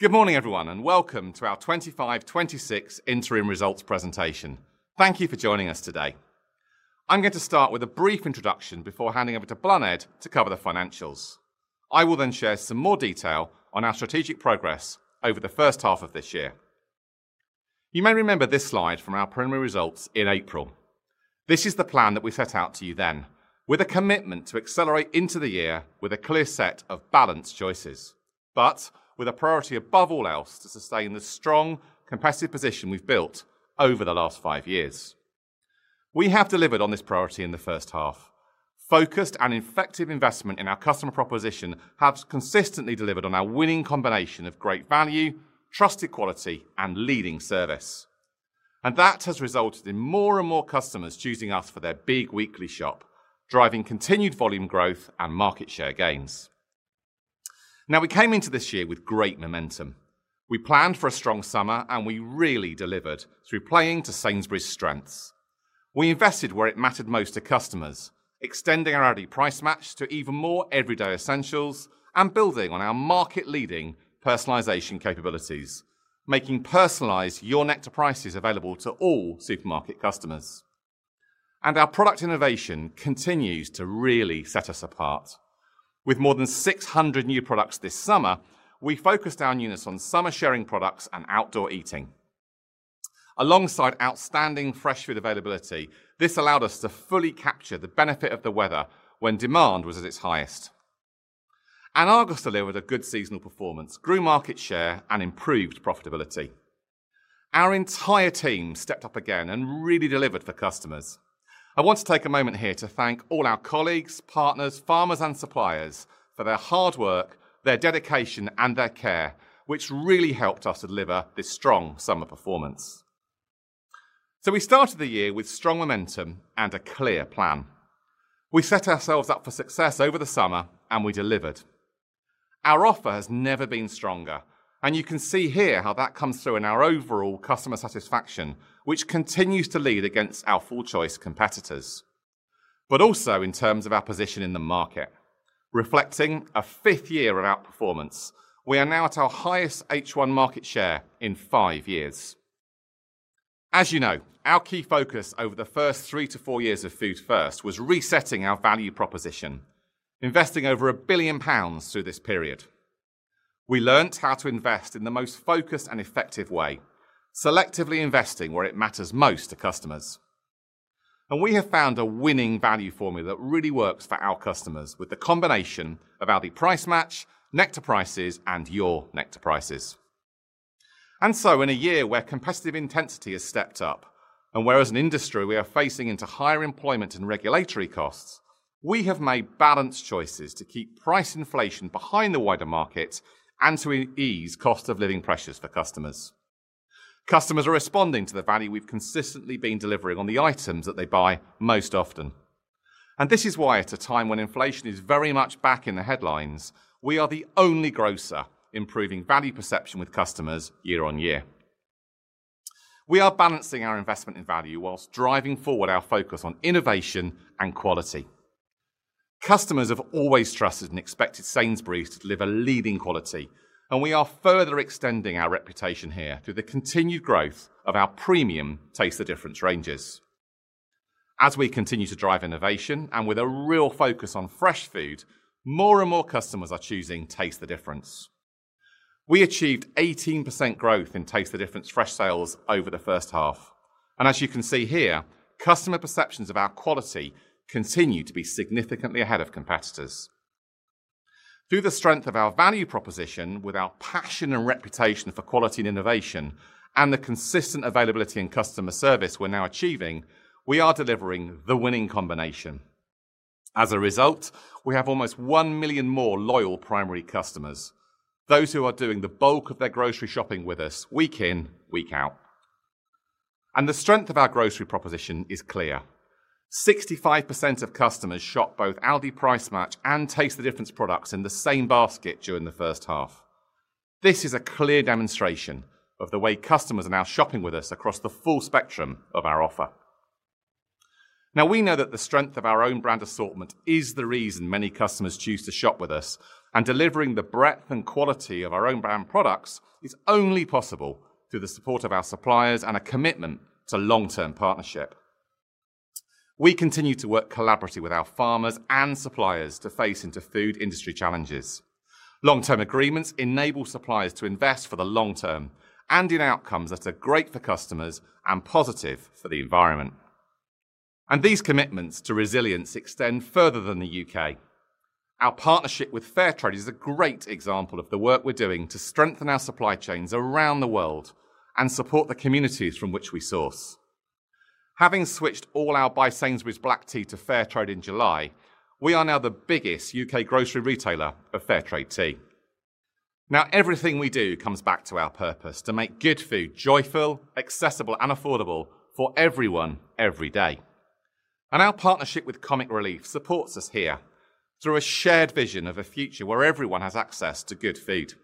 Good morning, everyone, and welcome to our 2025-2026 interim results presentation. Thank you for joining us today. I'm going to start with a brief introduction before handing over to Bláthnaid to cover the financials. I will then share some more detail on our strategic progress over the first half of this year. You may remember this slide from our preliminary results in April. This is the plan that we set out to you then, with a commitment to accelerate into the year with a clear set of balanced choices, but with a priority above all else to sustain the strong competitive position we've built over the last five years. We have delivered on this priority in the first half. Focused and effective investment in our customer proposition has consistently delivered on our winning combination of great value, trusted quality, and leading service. That has resulted in more and more customers choosing us for their big weekly shop, driving continued volume growth and market share gains. We came into this year with great momentum. We planned for a strong summer, and we really delivered through playing to Sainsbury's strengths. We invested where it mattered most to customers, extending our hourly price match to even more everyday essentials and building on our market-leading personalization capabilities, making personalized Your Nectar Prices available to all supermarket customers. Our product innovation continues to really set us apart. With more than 600 new products this summer, we focused our newness on summer sharing products and outdoor eating. Alongside outstanding fresh food availability, this allowed us to fully capture the benefit of the weather when demand was at its highest. Our gusto with a good seasonal performance grew market share and improved profitability. Our entire team stepped up again and really delivered for customers. I want to take a moment here to thank all our colleagues, partners, farmers, and suppliers for their hard work, their dedication, and their care, which really helped us to deliver this strong summer performance. We started the year with strong momentum and a clear plan. We set ourselves up for success over the summer, and we delivered. Our offer has never been stronger, and you can see here how that comes through in our overall customer satisfaction, which continues to lead against our full choice competitors, but also in terms of our position in the market. Reflecting a fifth year of outperformance, we are now at our highest H1 market share in five years. As you know, our key focus over the first 3-4 years of Food First was resetting our value proposition, investing over 1 billion pounds through this period. We learned how to invest in the most focused and effective way, selectively investing where it matters most to customers. We have found a winning value formula that really works for our customers with the combination of our price match, Nectar Prices, and Your Nectar Prices. In a year where competitive intensity has stepped up and where, as an industry, we are facing into higher employment and regulatory costs, we have made balanced choices to keep price inflation behind the wider market and to ease cost of living pressures for customers. Customers are responding to the value we have consistently been delivering on the items that they buy most often. This is why, at a time when inflation is very much back in the headlines, we are the only grocer improving value perception with customers year-on-year. We are balancing our investment in value whilst driving forward our focus on innovation and quality. Customers have always trusted and expected Sainsbury's to deliver leading quality, and we are further extending our reputation here through the continued growth of our premium Taste the Difference ranges. As we continue to drive innovation and with a real focus on fresh food, more and more customers are choosing Taste the Difference. We achieved 18% growth in Taste the Difference fresh sales over the first half. As you can see here, customer perceptions of our quality continue to be significantly ahead of competitors. Through the strength of our value proposition, with our passion and reputation for quality and innovation, and the consistent availability and customer service we're now achieving, we are delivering the winning combination. As a result, we have almost 1 million more loyal primary customers, those who are doing the bulk of their grocery shopping with us week in, week out. The strength of our grocery proposition is clear. 65% of customers shop both Aldi Price Match and Taste the Difference products in the same basket during the first half. This is a clear demonstration of the way customers are now shopping with us across the full spectrum of our offer. Now, we know that the strength of our own brand assortment is the reason many customers choose to shop with us, and delivering the breadth and quality of our own brand products is only possible through the support of our suppliers and a commitment to long-term partnership. We continue to work collaboratively with our farmers and suppliers to face into food industry challenges. Long-term agreements enable suppliers to invest for the long term and in outcomes that are great for customers and positive for the environment. These commitments to resilience extend further than the U.K. Our partnership with Fairtrade is a great example of the work we're doing to strengthen our supply chains around the world and support the communities from which we source. Having switched all our By Sainsbury's black tea to Fairtrade in July, we are now the biggest U.K. grocery retailer of Fairtrade tea. Now, everything we do comes back to our purpose: to make good food joyful, accessible, and affordable for everyone every day. Our partnership with Comic Relief supports us here through a shared vision of a future where everyone has access to good food.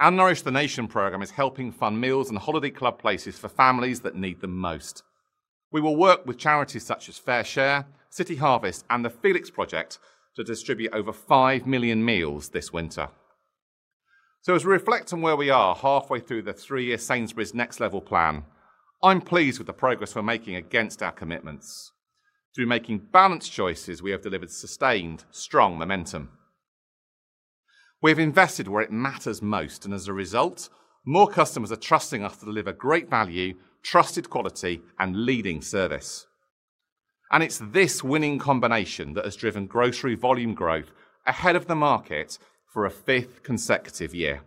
Our Nourish the Nation program is helping fund meals and holiday club places for families that need them most. We will work with charities such as Fairshare, City Harvest, and the Felix Project to distribute over 5 million meals this winter. As we reflect on where we are halfway through the three-year Sainsbury's Next Level plan, I'm pleased with the progress we're making against our commitments. Through making balanced choices, we have delivered sustained strong momentum. We have invested where it matters most, and as a result, more customers are trusting us to deliver great value, trusted quality, and leading service. It is this winning combination that has driven grocery volume growth ahead of the market for a fifth consecutive year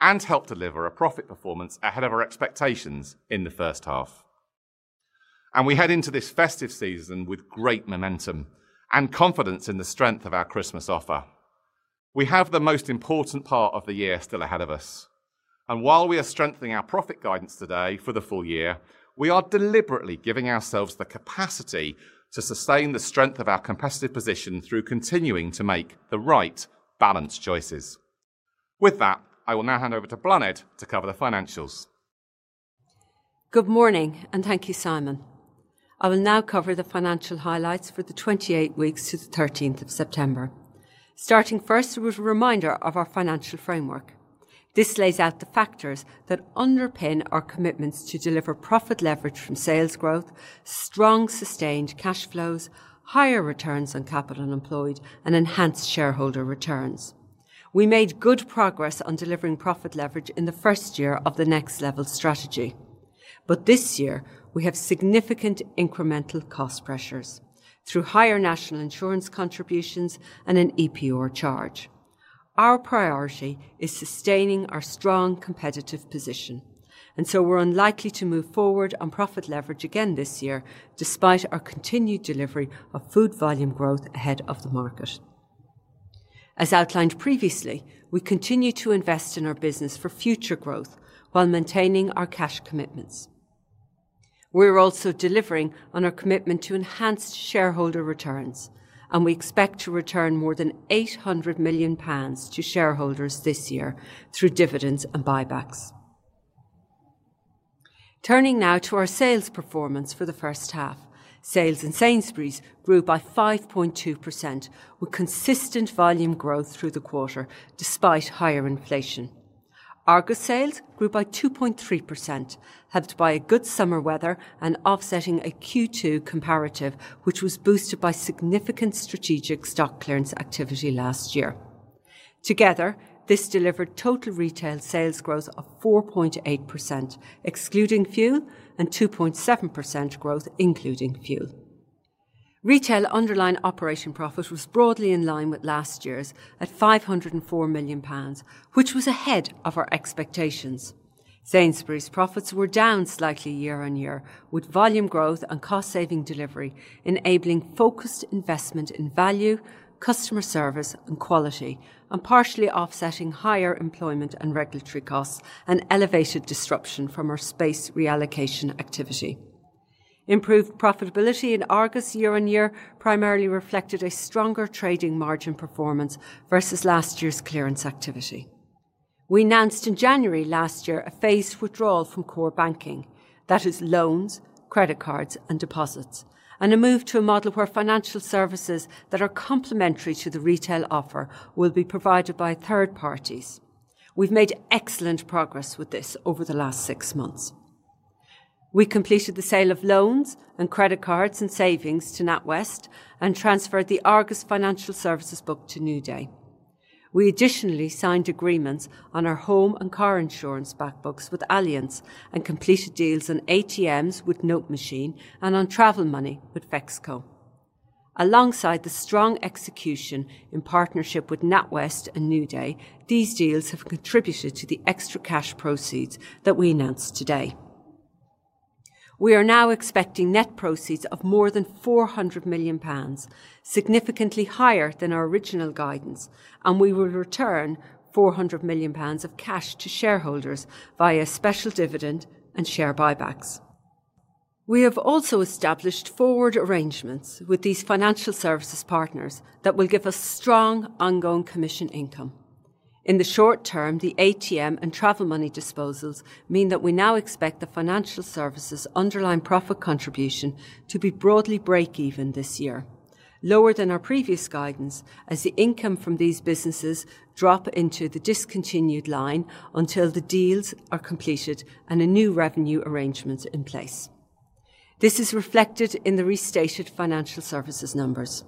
and helped deliver a profit performance ahead of our expectations in the first half. We head into this festive season with great momentum and confidence in the strength of our Christmas offer. We have the most important part of the year still ahead of us. While we are strengthening our profit guidance today for the full year, we are deliberately giving ourselves the capacity to sustain the strength of our competitive position through continuing to make the right balanced choices. With that, I will now hand over to Bláthnaid to cover the financials. Good morning, and thank you, Simon. I will now cover the financial highlights for the 28 weeks to the 13th of September. Starting first, a reminder of our financial framework. This lays out the factors that underpin our commitments to deliver profit leverage from sales growth, strong sustained cash flows, higher returns on capital employed, and enhanced shareholder returns. We made good progress on delivering profit leverage in the first year of the Next Level strategy. This year, we have significant incremental cost pressures through higher National Insurance Contributions and an EPR charge. Our priority is sustaining our strong competitive position, and so we are unlikely to move forward on profit leverage again this year, despite our continued delivery of food volume growth ahead of the market. As outlined previously, we continue to invest in our business for future growth while maintaining our cash commitments. We're also delivering on our commitment to enhanced shareholder returns, and we expect to return more than 800 million pounds to shareholders this year through dividends and buybacks. Turning now to our sales performance for the first half, sales in Sainsbury's grew by 5.2% with consistent volume growth through the quarter, despite higher inflation. Argos sales grew by 2.3%, helped by good summer weather and offsetting a Q2 comparative, which was boosted by significant strategic stock clearance activity last year. Together, this delivered total retail sales growth of 4.8%, excluding fuel, and 2.7% growth, including fuel. Retail underlying operating profit was broadly in line with last year's at 504 million pounds, which was ahead of our expectations. Sainsbury's profits were down slightly year-on-year, with volume growth and cost-saving delivery enabling focused investment in value, customer service, and quality, and partially offsetting higher employment and regulatory costs and elevated disruption from our space reallocation activity. Improved profitability in Argos year-on-year primarily reflected a stronger trading margin performance vs last year's clearance activity. We announced in January last year a phased withdrawal from core banking, that is, loans, credit cards, and deposits, and a move to a model where financial services that are complementary to the retail offer will be provided by third parties. We've made excellent progress with this over the last six months. We completed the sale of loans and credit cards and savings to NatWest and transferred the Argos Financial Services book to NewDay. We additionally signed agreements on our home and car insurance backbooks with Allianz and completed deals on ATMs with NoteMachine and on travel money with Fexco. Alongside the strong execution in partnership with NatWest and NewDay, these deals have contributed to the extra cash proceeds that we announced today. We are now expecting net proceeds of more than 400 million pounds, significantly higher than our original guidance, and we will return 400 million pounds of cash to shareholders via special dividend and share buybacks. We have also established forward arrangements with these financial services partners that will give us strong ongoing commission income. In the short term, the ATM and travel money disposals mean that we now expect the financial services underlying profit contribution to be broadly break-even this year, lower than our previous guidance, as the income from these businesses drops into the discontinued line until the deals are completed and a new revenue arrangement is in place. This is reflected in the restated financial services numbers.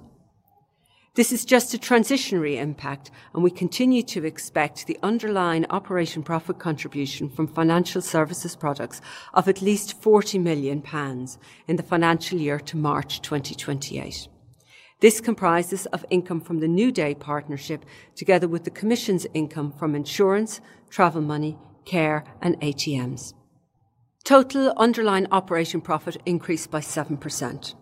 This is just a transitionary impact, and we continue to expect the underlying operation profit contribution from financial services products of at least 40 million pounds in the financial year to March 2028. This comprises income from the NewDay partnership together with the commissions income from insurance, travel money, care, and ATMs. Total underlying operation profit increased by 7%.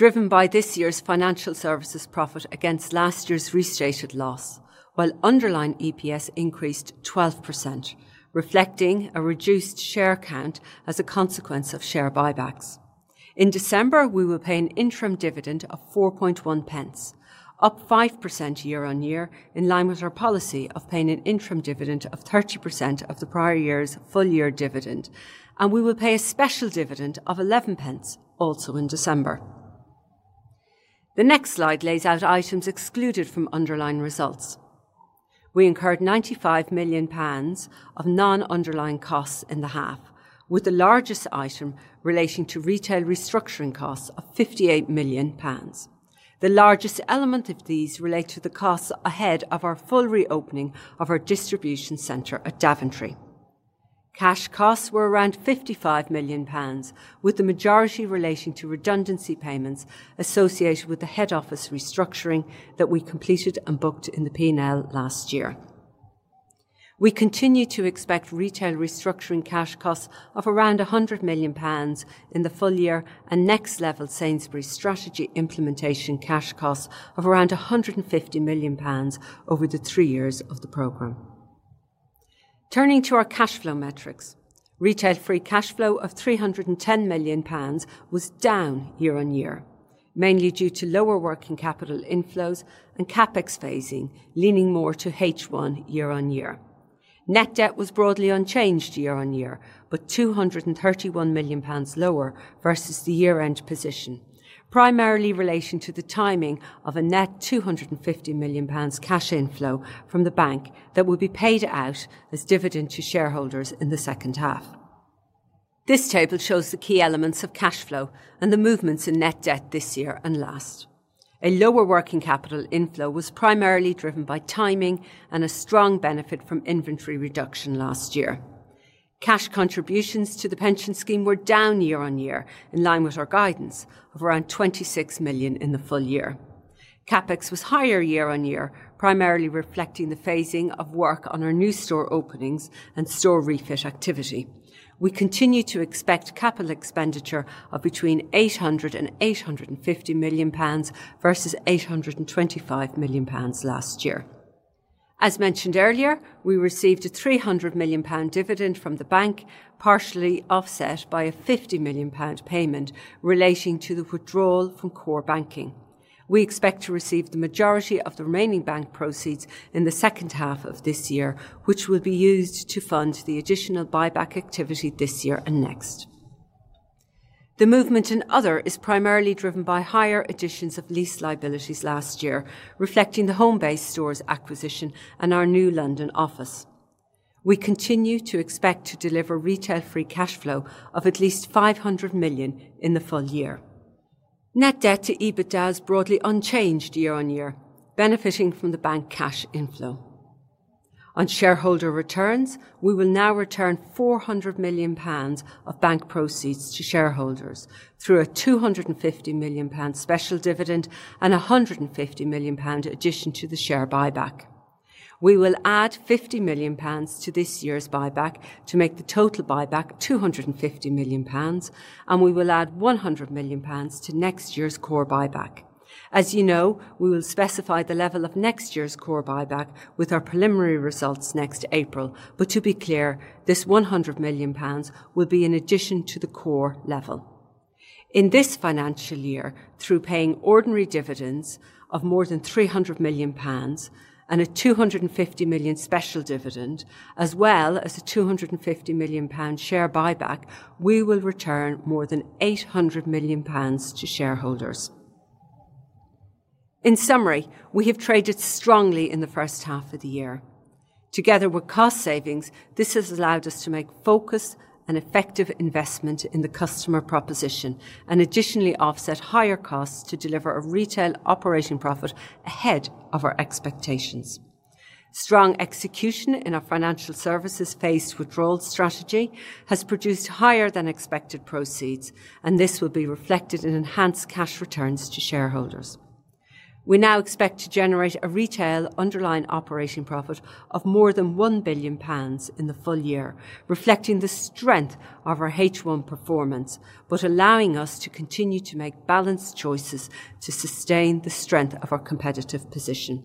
Driven by this year's financial services profit against last year's restated loss, while underlying EPS increased 12%, reflecting a reduced share count as a consequence of share buybacks. In December, we will pay an interim dividend of 4.1, up 5% year-on-year, in line with our policy of paying an interim dividend of 30% of the prior year's full-year dividend, and we will pay a special dividend of 11 also in December. The next slide lays out items excluded from underlying results. We incurred 95 million pounds of non-underlying costs in the half, with the largest item relating to retail restructuring costs of 58 million pounds. The largest element of these relates to the costs ahead of our full reopening of our distribution center at Daventry. Cash costs were around 55 million pounds, with the majority relating to redundancy payments associated with the head office restructuring that we completed and booked in the P&L last year. We continue to expect retail restructuring cash costs of around 100 million pounds in the full year and Next Level Sainsbury's strategy implementation cash costs of around 150 million pounds over the three years of the program. Turning to our cash flow metrics, retail free cash flow of 310 million pounds was down year-on-year, mainly due to lower working capital inflows and CapEx phasing leaning more to H1 year-on-year. Net debt was broadly unchanged year-on-year, but 231 million pounds lower vs the year-end position, primarily relating to the timing of a net 250 million pounds cash inflow from the bank that will be paid out as dividends to shareholders in the second half. This table shows the key elements of cash flow and the movements in net debt this year and last. A lower working capital inflow was primarily driven by timing and a strong benefit from inventory reduction last year. Cash contributions to the pension scheme were down year-on-year, in line with our guidance of around 26 million in the full year. CapEx was higher year-on-year, primarily reflecting the phasing of work on our new store openings and store refit activity. We continue to expect capital expenditure of between 800 million pounds and 850 million pounds vs 825 million pounds last year. As mentioned earlier, we received a 300 million pound dividend from the bank, partially offset by a 50 million pound payment relating to the withdrawal from core banking. We expect to receive the majority of the remaining bank proceeds in the second half of this year, which will be used to fund the additional buyback activity this year and next. The movement in other is primarily driven by higher additions of lease liabilities last year, reflecting the Homebase store's acquisition and our new London office. We continue to expect to deliver Retail free cash flow of at least 500 million in the full year. Net debt to EBITDA is broadly unchanged year-on-year, benefiting from the bank cash inflow. On shareholder returns, we will now return 400 million pounds of bank proceeds to shareholders through a 250 million pound special dividend and a 150 million pound addition to the share buyback. We will add 50 million pounds to this year's buyback to make the total buyback 250 million pounds, and we will add 100 million pounds to next year's core buyback. As you know, we will specify the level of next year's core buyback with our preliminary results next April, but to be clear, this 100 million pounds will be in addition to the core level. In this financial year, through paying ordinary dividends of more than 300 million pounds and a 250 million special dividend, as well as a 250 million pound share buyback, we will return more than 800 million pounds to shareholders. In summary, we have traded strongly in the first half of the year. Together with cost savings, this has allowed us to make focused and effective investment in the customer proposition and additionally offset higher costs to deliver a retail operating profit ahead of our expectations. Strong execution in our financial services phased withdrawal strategy has produced higher-than-expected proceeds, and this will be reflected in enhanced cash returns to shareholders. We now expect to generate a retail underlying operating profit of more than 1 billion pounds in the full year, reflecting the strength of our H1 performance, but allowing us to continue to make balanced choices to sustain the strength of our competitive position.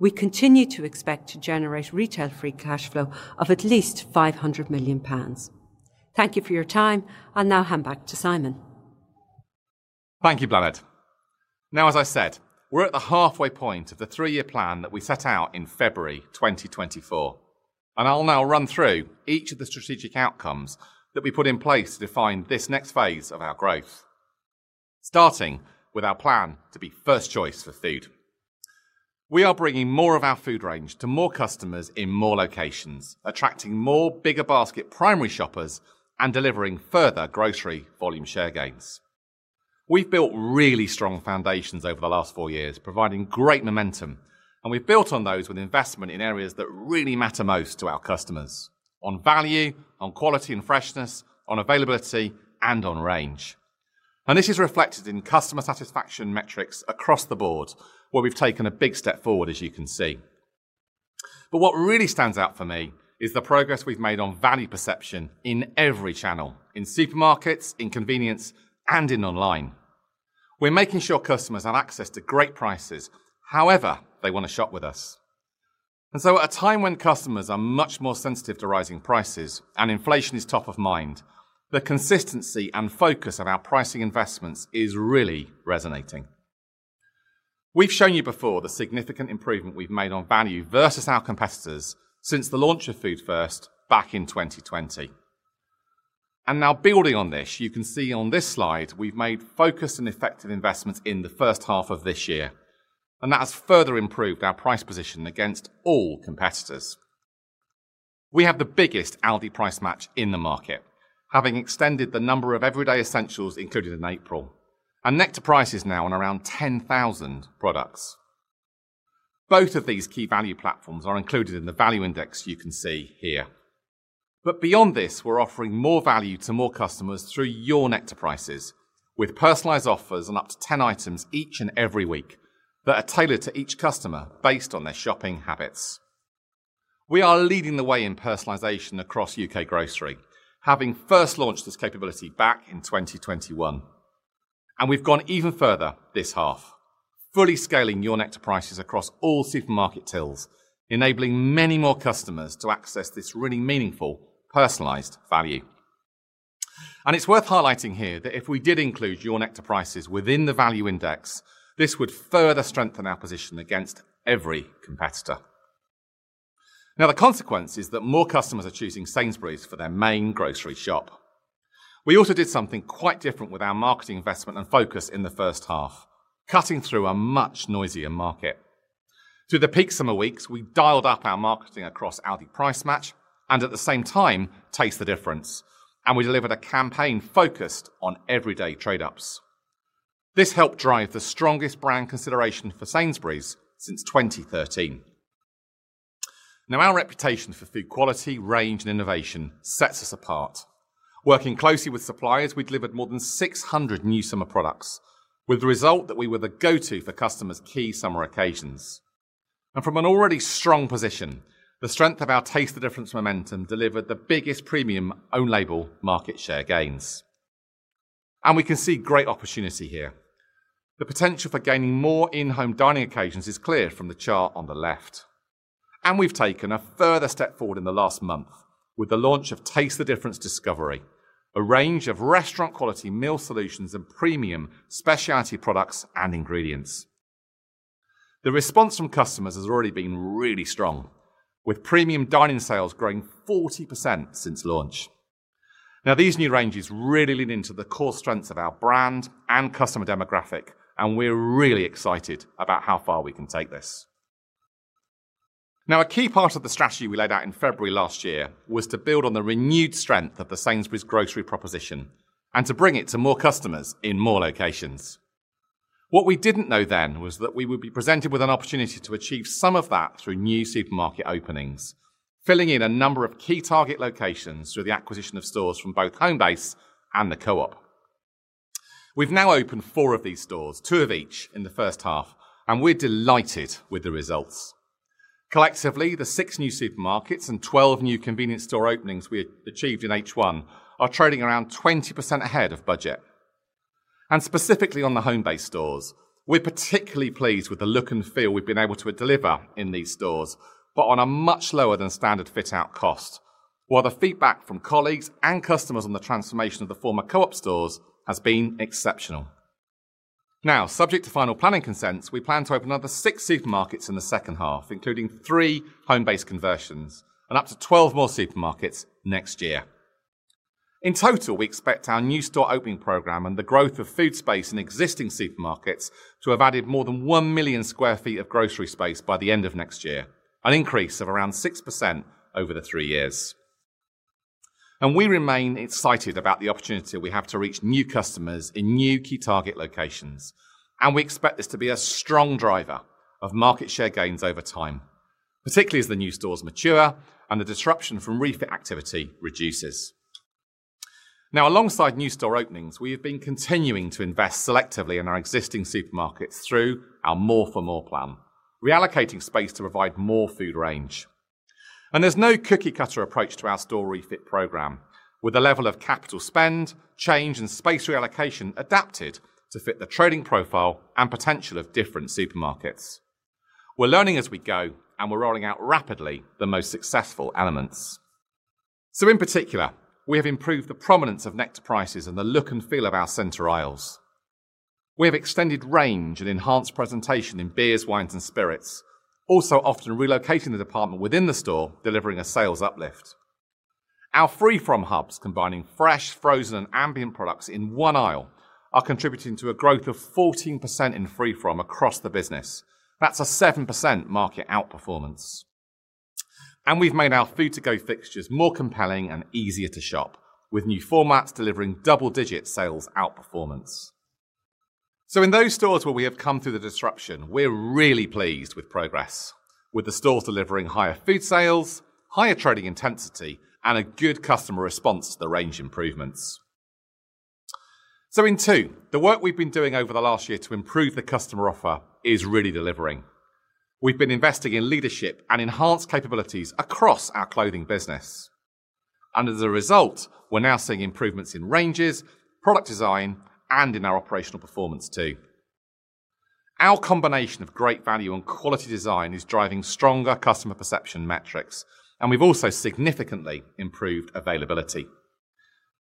We continue to expect to generate retail free cash flow of at least 500 million pounds. Thank you for your time. I'll now hand back to Simon. Thank you, Bláthnaid. Now, as I said, we're at the halfway point of the three-year plan that we set out in February 2024, and I'll now run through each of the strategic outcomes that we put in place to define this next phase of our growth. Starting with our plan to be first choice for food. We are bringing more of our food range to more customers in more locations, attracting more bigger basket primary shoppers and delivering further grocery volume share gains. We've built really strong foundations over the last four years, providing great momentum, and we've built on those with investment in areas that really matter most to our customers: on value, on quality and freshness, on availability, and on range. This is reflected in customer satisfaction metrics across the board, where we've taken a big step forward, as you can see. What really stands out for me is the progress we've made on value perception in every channel: in supermarkets, in convenience, and in online. We're making sure customers have access to great prices however they want to shop with us. At a time when customers are much more sensitive to rising prices and inflation is top of mind, the consistency and focus of our pricing investments is really resonating. We've shown you before the significant improvement we've made on value vs our competitors since the launch of Food First back in 2020. Now, building on this, you can see on this slide we've made focused and effective investments in the first half of this year, and that has further improved our price position against all competitors. We have the biggest Aldi Price Match in the market, having extended the number of everyday essentials, including in April, and Nectar Prices is now on around 10,000 products. Both of these key value platforms are included in the value index you can see here. Beyond this, we are offering more value to more customers through Your Nectar Prices, with personalized offers on up to 10 items each and every week that are tailored to each customer based on their shopping habits. We are leading the way in personalization across U.K. grocery, having first launched this capability back in 2021. We have gone even further this half, fully scaling Your Nectar Prices across all supermarket tills, enabling many more customers to access this really meaningful personalized value. It is worth highlighting here that if we did include Your Nectar Prices within the value index, this would further strengthen our position against every competitor. The consequence is that more customers are choosing Sainsbury's for their main grocery shop. We also did something quite different with our marketing investment and focus in the first half, cutting through a much noisier market. Through the peak summer weeks, we dialed up our marketing across Aldi Price Match and, at the same time, Taste the Difference, and we delivered a campaign focused on everyday trade-ups. This helped drive the strongest brand consideration for Sainsbury's since 2013. Our reputation for food quality, range, and innovation sets us apart. Working closely with suppliers, we delivered more than 600 new summer products, with the result that we were the go-to for customers' key summer occasions. From an already strong position, the strength of our Taste the Difference momentum delivered the biggest premium own-label market share gains. We can see great opportunity here. The potential for gaining more in-home dining occasions is clear from the chart on the left. We have taken a further step forward in the last month with the launch of Taste the Difference Discovery, a range of restaurant-quality meal solutions and premium specialty products and ingredients. The response from customers has already been really strong, with premium dining sales growing 40% since launch. These new ranges really lean into the core strengths of our brand and customer demographic, and we are really excited about how far we can take this. Now, a key part of the strategy we laid out in February last year was to build on the renewed strength of the Sainsbury's grocery proposition and to bring it to more customers in more locations. What we did not know then was that we would be presented with an opportunity to achieve some of that through new supermarket openings, filling in a number of key target locations through the acquisition of stores from both Homebase and the Co-op. We have now opened four of these stores, two of each in the first half, and we are delighted with the results. Collectively, the six new supermarkets and 12 new convenience store openings we achieved in H1 are trading around 20% ahead of budget. Specifically on the Homebase stores, we're particularly pleased with the look and feel we've been able to deliver in these stores, but on a much lower than standard fit-out cost, while the feedback from colleagues and customers on the transformation of the former Co-op stores has been exceptional. Now, subject to final planning consents, we plan to open another six supermarkets in the second half, including three Homebase conversions and up to 12 more supermarkets next year. In total, we expect our new store opening program and the growth of food space in existing supermarkets to have added more than 1 million sq ft of grocery space by the end of next year, an increase of around 6% over the three years. We remain excited about the opportunity we have to reach new customers in new key target locations, and we expect this to be a strong driver of market share gains over time, particularly as the new stores mature and the disruption from refit activity reduces. Alongside new store openings, we have been continuing to invest selectively in our existing supermarkets through our more for more plan, reallocating space to provide more food range. There is no cookie-cutter approach to our store refit program, with a level of capital spend, change, and space reallocation adapted to fit the trading profile and potential of different supermarkets. We are learning as we go, and we are rolling out rapidly the most successful elements. In particular, we have improved the prominence of Nectar Prices and the look and feel of our center aisles. We have extended range and enhanced presentation in Beers, Wines, and Spirits, also often relocating the department within the store, delivering a sales uplift. Our Freefrom hubs, combining fresh, frozen, and ambient products in one aisle, are contributing to a growth of 14% in Freefrom across the business. That is a 7% market outperformance. We have made our food-to-go fixtures more compelling and easier to shop, with new formats delivering double-digit sales outperformance. In those stores where we have come through the disruption, we are really pleased with progress, with the stores delivering higher food sales, higher trading intensity, and a good customer response to the range improvements. In two, the work we have been doing over the last year to improve the customer offer is really delivering. We have been investing in leadership and enhanced capabilities across our clothing business. As a result, we're now seeing improvements in ranges, product design, and in our operational performance too. Our combination of great value and quality design is driving stronger customer perception metrics, and we've also significantly improved availability.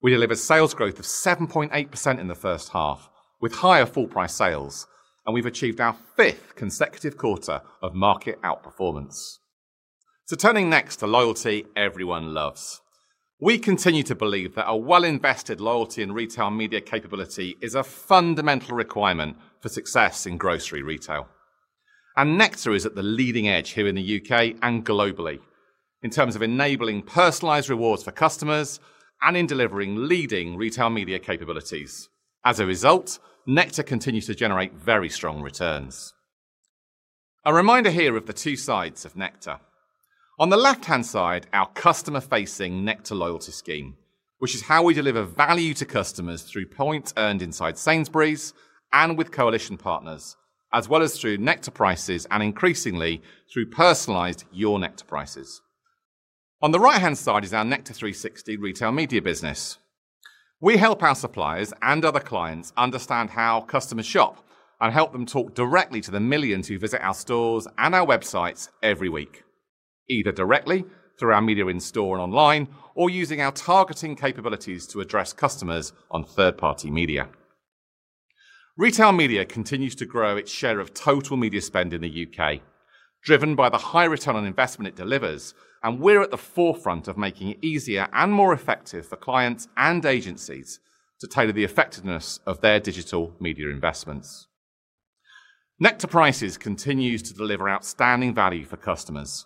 We delivered sales growth of 7.8% in the first half, with higher full-price sales, and we've achieved our fifth consecutive quarter of market outperformance. Turning next to loyalty everyone loves, we continue to believe that a well-invested loyalty and retail media capability is a fundamental requirement for success in grocery retail. Nectar is at the leading edge here in the U.K. and globally in terms of enabling personalized rewards for customers and in delivering leading retail media capabilities. As a result, Nectar continues to generate very strong returns. A reminder here of the two sides of Nectar. On the left-hand side, our customer-facing Nectar loyalty scheme, which is how we deliver value to customers through points earned inside Sainsbury's and with coalition partners, as well as through Nectar Prices and increasingly through personalized Your Nectar Prices. On the right-hand side is our Nectar360 retail media business. We help our suppliers and other clients understand how customers shop and help them talk directly to the millions who visit our stores and our websites every week, either directly through our media in store and online or using our targeting capabilities to address customers on third-party media. Retail media continues to grow its share of total media spend in the U.K., driven by the high return on investment it delivers, and we are at the forefront of making it easier and more effective for clients and agencies to tailor the effectiveness of their digital media investments. Nectar Prices continues to deliver outstanding value for customers.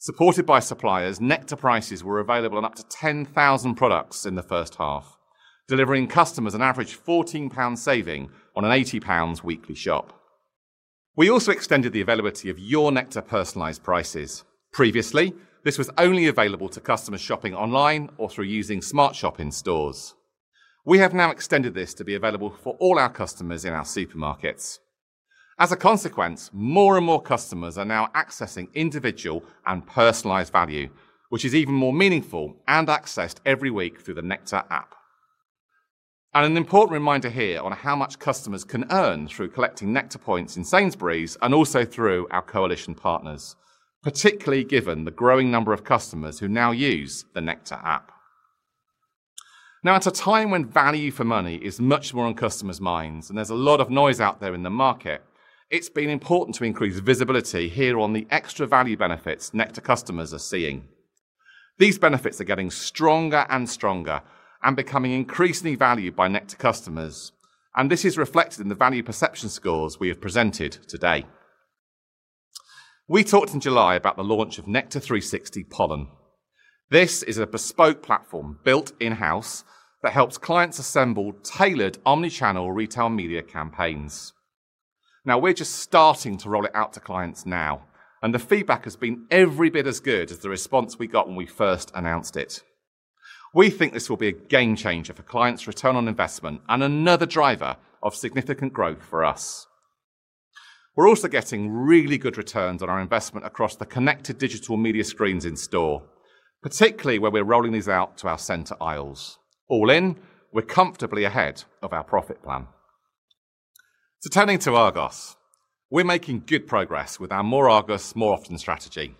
Supported by suppliers, Nectar Prices were available on up to 10,000 products in the first half, delivering customers an average 14 pound saving on an 80 pounds weekly shop. We also extended the availability of Your Nectar personalized prices. Previously, this was only available to customers shopping online or through using SmartShop in stores. We have now extended this to be available for all our customers in our supermarkets. As a consequence, more and more customers are now accessing individual and personalized value, which is even more meaningful and accessed every week through the Nectar app. An important reminder here on how much customers can earn through collecting Nectar points in Sainsbury's and also through our coalition partners, particularly given the growing number of customers who now use the Nectar app. Now, at a time when value for money is much more on customers' minds and there is a lot of noise out there in the market, it has been important to increase visibility here on the extra value benefits Nectar customers are seeing. These benefits are getting stronger and stronger and becoming increasingly valued by Nectar customers, and this is reflected in the value perception scores we have presented today. We talked in July about the launch of Nectar360 Pollen. This is a bespoke platform built in-house that helps clients assemble tailored omnichannel retail media campaigns. Now, we are just starting to roll it out to clients now, and the feedback has been every bit as good as the response we got when we first announced it. We think this will be a game changer for clients' return on investment and another driver of significant growth for us. We're also getting really good returns on our investment across the connected digital media screens in store, particularly where we're rolling these out to our center aisles. All in, we're comfortably ahead of our profit plan. Turning to Argos, we're making good progress with our more Argos, more often strategy.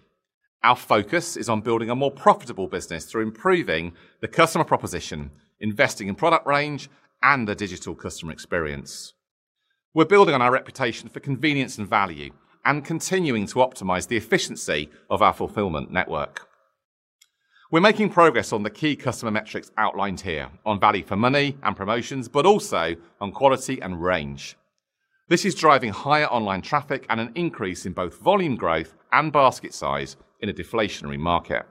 Our focus is on building a more profitable business through improving the customer proposition, investing in product range, and the digital customer experience. We're building on our reputation for convenience and value and continuing to optimize the efficiency of our fulfillment network. We're making progress on the key customer metrics outlined here on value for money and promotions, but also on quality and range. This is driving higher online traffic and an increase in both volume growth and basket size in a deflationary market.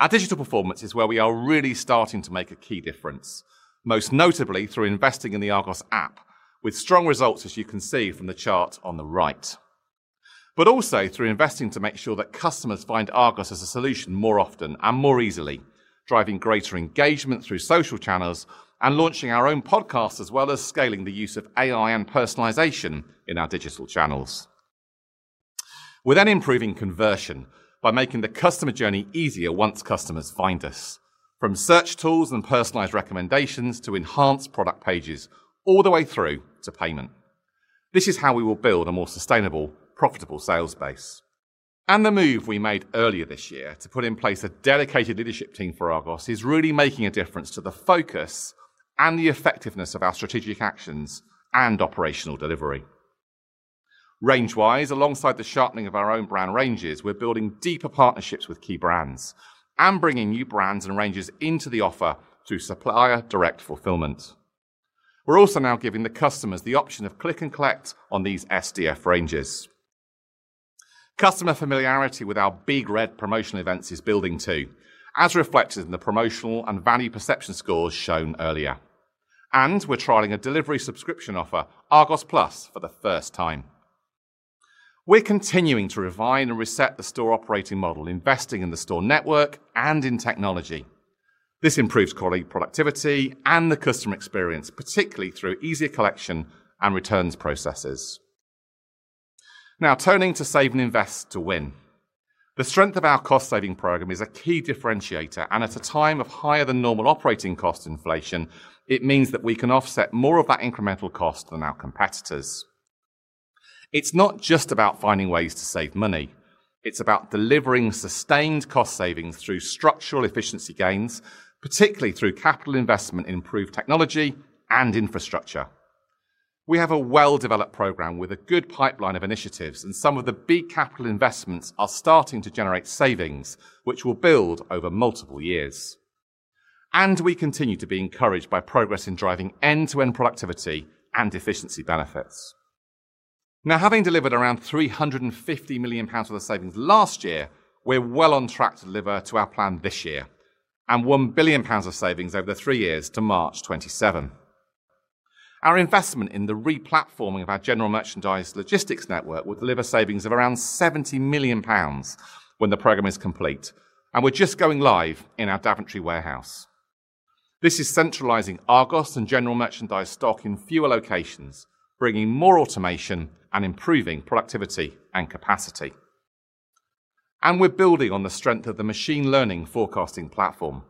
Our digital performance is where we are really starting to make a key difference, most notably through investing in the Argos App, with strong results, as you can see from the chart on the right. Also through investing to make sure that customers find Argos as a solution more often and more easily, driving greater engagement through social channels and launching our own podcast, as well as scaling the use of AI and personalization in our digital channels. We are then improving conversion by making the customer journey easier once customers find us, from search tools and personalized recommendations to enhanced product pages, all the way through to payment. This is how we will build a more sustainable, profitable sales base. The move we made earlier this year to put in place a dedicated leadership team for Argos is really making a difference to the focus and the effectiveness of our strategic actions and operational delivery. Range-wise, alongside the sharpening of our own brand ranges, we're building deeper partnerships with key brands and bringing new brands and ranges into the offer through supplier direct fulfillment. We're also now giving the customers the option of click and collect on these SDF ranges. Customer familiarity with our big red promotional events is building too, as reflected in the promotional and value perception scores shown earlier. We're trialing a delivery subscription offer, Argos Plus, for the first time. We're continuing to revise and reset the store operating model, investing in the store network and in technology. This improves quality, productivity, and the customer experience, particularly through easier collection and returns processes. Now, turning to save and invest to win. The strength of our cost-saving program is a key differentiator, and at a time of higher than normal operating cost inflation, it means that we can offset more of that incremental cost than our competitors. It is not just about finding ways to save money. It is about delivering sustained cost savings through structural efficiency gains, particularly through capital investment in improved technology and infrastructure. We have a well-developed program with a good pipeline of initiatives, and some of the big capital investments are starting to generate savings, which will build over multiple years. We continue to be encouraged by progress in driving end-to-end productivity and efficiency benefits. Now, having delivered around 350 million pounds worth of savings last year, we are well on track to deliver to our plan this year and 1 billion pounds of savings over the three years to March 2027. Our investment in the replatforming of our general merchandise logistics network will deliver savings of around 70 million pounds when the program is complete, and we are just going live in our Daventry warehouse. This is centralizing Argos and general merchandise stock in fewer locations, bringing more automation and improving productivity and capacity. We are building on the strength of the machine learning forecasting platform.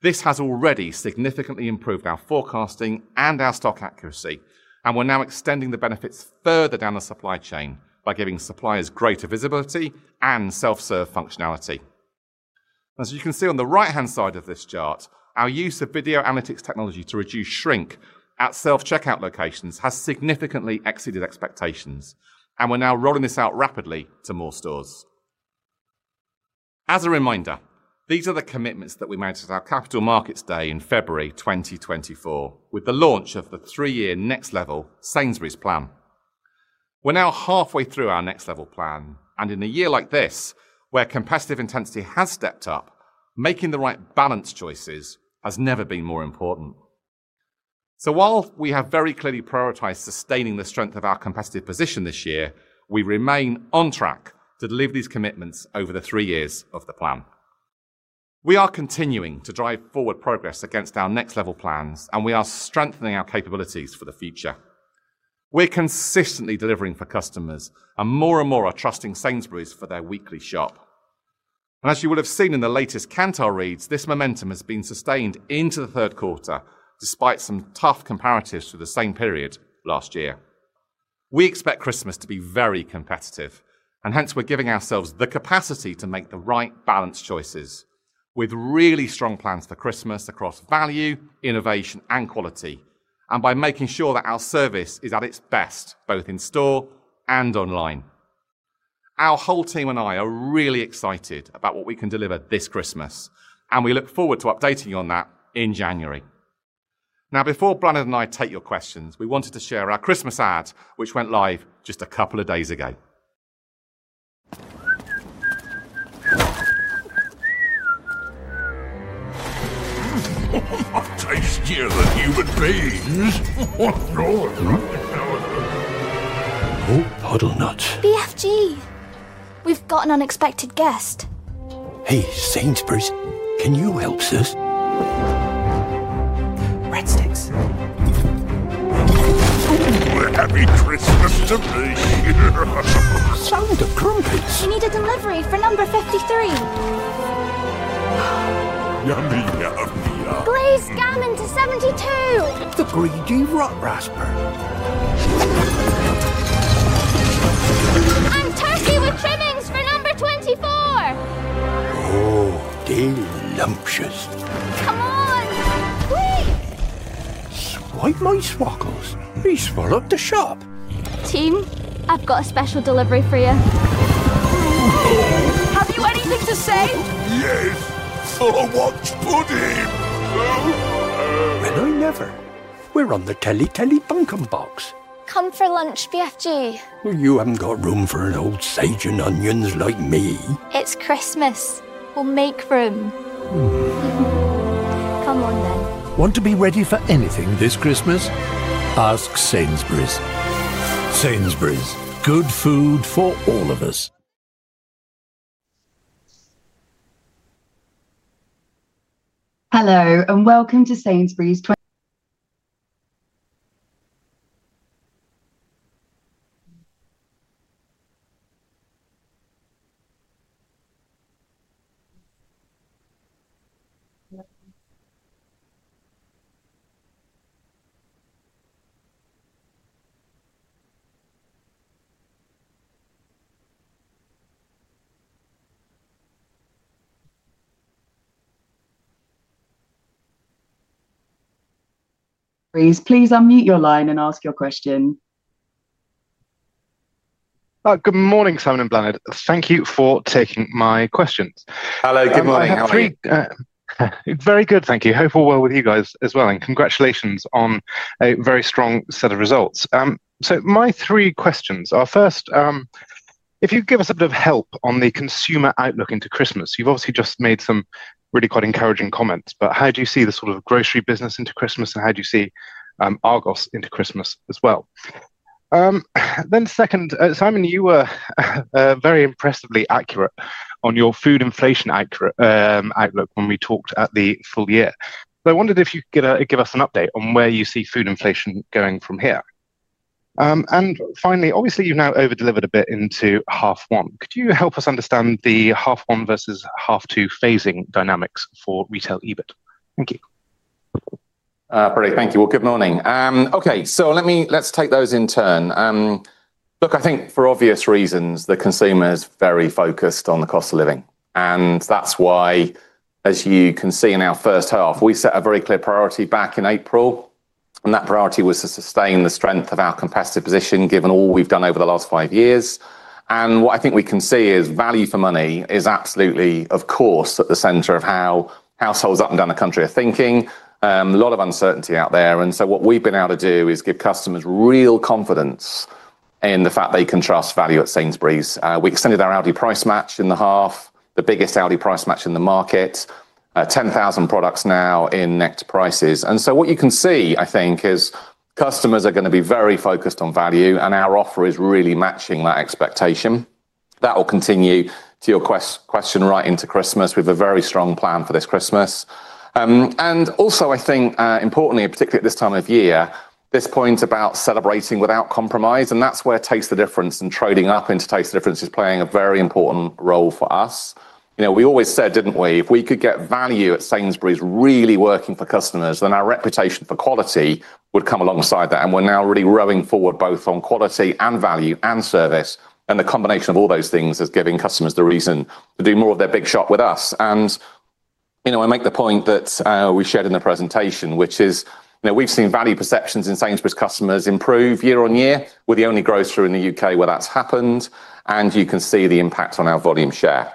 This has already significantly improved our forecasting and our stock accuracy, and we are now extending the benefits further down the supply chain by giving suppliers greater visibility and self-serve functionality. As you can see on the right-hand side of this chart, our use of video analytics technology to reduce shrink at self-checkout locations has significantly exceeded expectations, and we are now rolling this out rapidly to more stores. As a reminder, these are the commitments that we made to our capital markets day in February 2024, with the launch of the three-year next-level Sainsbury's plan. We're now halfway through our next-level plan, and in a year like this, where competitive intensity has stepped up, making the right balance choices has never been more important. While we have very clearly prioritized sustaining the strength of our competitive position this year, we remain on track to deliver these commitments over the three years of the plan. We are continuing to drive forward progress against our next-level plans, and we are strengthening our capabilities for the future. We're consistently delivering for customers, and more and more are trusting Sainsbury's for their weekly shop. As you will have seen in the latest Kantar reads, this momentum has been sustained into the third quarter, despite some tough comparatives through the same period last year. We expect Christmas to be very competitive, and hence we're giving ourselves the capacity to make the right balance choices, with really strong plans for Christmas across value, innovation, and quality, and by making sure that our service is at its best both in store and online. Our whole team and I are really excited about what we can deliver this Christmas, and we look forward to updating you on that in January. Now, before Bláthnaid and I take your questions, we wanted to share our Christmas ad, which went live just a couple of days ago. I taste you and human beings. Oh, Puddle Nut. BFG. We've got an unexpected guest. Hey, Sainsbury's, can you help us? Bread Sticks. Ooh, happy Christmas to me. Sound of drum pits. We need a delivery for number 53. Yummy, yummy. Glazed Ham into 72. The greedy Ratrasper. And Turkey with Trimmings for number 24. Oh, delicious. Come on. Swipe my swackles. We swallowed the shop. Team, I've got a special delivery for you. Have you anything to say? Yes, for a watch pudding. When I never. We're on the Telly Telly Bunkin' Box. Come for lunch, BFG. You haven't got room for an old sage and onions like me. It's Christmas. We'll make room. Come on, then. Want to be ready for anything this Christmas? Ask Sainsbury's. Sainsbury's, good food for all of us. Hello and welcome to Sainsbury's. Please unmute your line and ask your question. Good morning, Simon and Bláthnaid. Thank you for taking my questions. Hello, good morning. Very good, thank you. Hopefully well with you guys as well, and congratulations on a very strong set of results. My three questions are first. If you could give us a bit of help on the consumer outlook into Christmas. You've obviously just made some really quite encouraging comments, but how do you see the sort of grocery business into Christmas, and how do you see Argos into Christmas as well? Second, Simon, you were very impressively accurate on your food inflation outlook when we talked at the full year. I wondered if you could give us an update on where you see food inflation going from here. Finally, obviously you've now over-delivered a bit into half one. Could you help us understand the half one vs half two phasing dynamics for retail EBIT? Thank you. Brilliant, thank you. Good morning. Okay, let's take those in turn. Look, I think for obvious reasons, the consumer is very focused on the cost of living, and that's why, as you can see in our first half, we set a very clear priority back in April. That priority was to sustain the strength of our competitive position, given all we've done over the last five years. What I think we can see is value for money is absolutely, of course, at the center of how households up and down the country are thinking. A lot of uncertainty out there, and what we've been able to do is give customers real confidence in the fact they can trust value at Sainsbury's. We extended our Aldi Price Match in the half, the biggest Aldi Price Match in the market. 10,000 products now in Nectar Prices. What you can see, I think, is customers are going to be very focused on value, and our offer is really matching that expectation. That will continue, to your question, right into Christmas. We have a very strong plan for this Christmas. Also, I think importantly, particularly at this time of year, this point about celebrating without compromise, and that is where Taste the Difference and trading up into Taste the Difference is playing a very important role for us. We always said, did we not, if we could get value at Sainsbury's really working for customers, then our reputation for quality would come alongside that. We are now really rowing forward both on quality and value and service, and the combination of all those things is giving customers the reason to do more of their big shop with us. I make the point that we shared in the presentation, which is we've seen value perceptions in Sainsbury's customers improve year-on-year. We're the only grocer in the U.K. where that's happened, and you can see the impact on our volume share.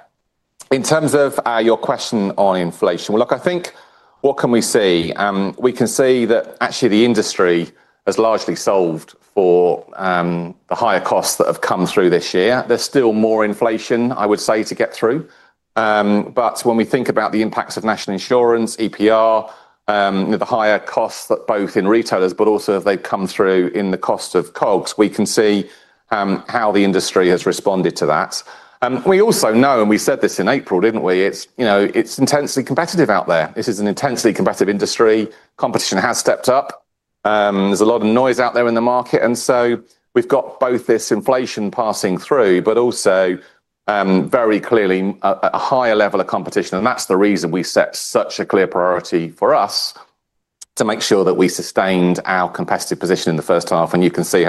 In terms of your question on inflation, I think what can we see? We can see that actually the industry has largely solved for the higher costs that have come through this year. There's still more inflation, I would say, to get through. When we think about the impacts of National Insurance Contributions, EPR, the higher costs that both in retailers, but also as they've come through in the cost of COGS, we can see how the industry has responded to that. We also know, and we said this in April, didn't we, it's intensely competitive out there. This is an intensely competitive industry. Competition has stepped up. There's a lot of noise out there in the market, and so we've got both this inflation passing through, but also. Very clearly a higher level of competition. That's the reason we set such a clear priority for us. To make sure that we sustained our competitive position in the first half, and you can see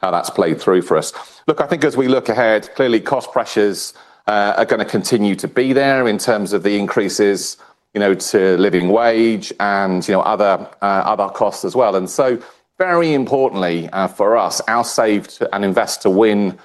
how that's played through for us. Look, I think as we look ahead, clearly cost pressures are going to continue to be there in terms of the increases to living wage and other costs as well. Very importantly for us, our save and invest to win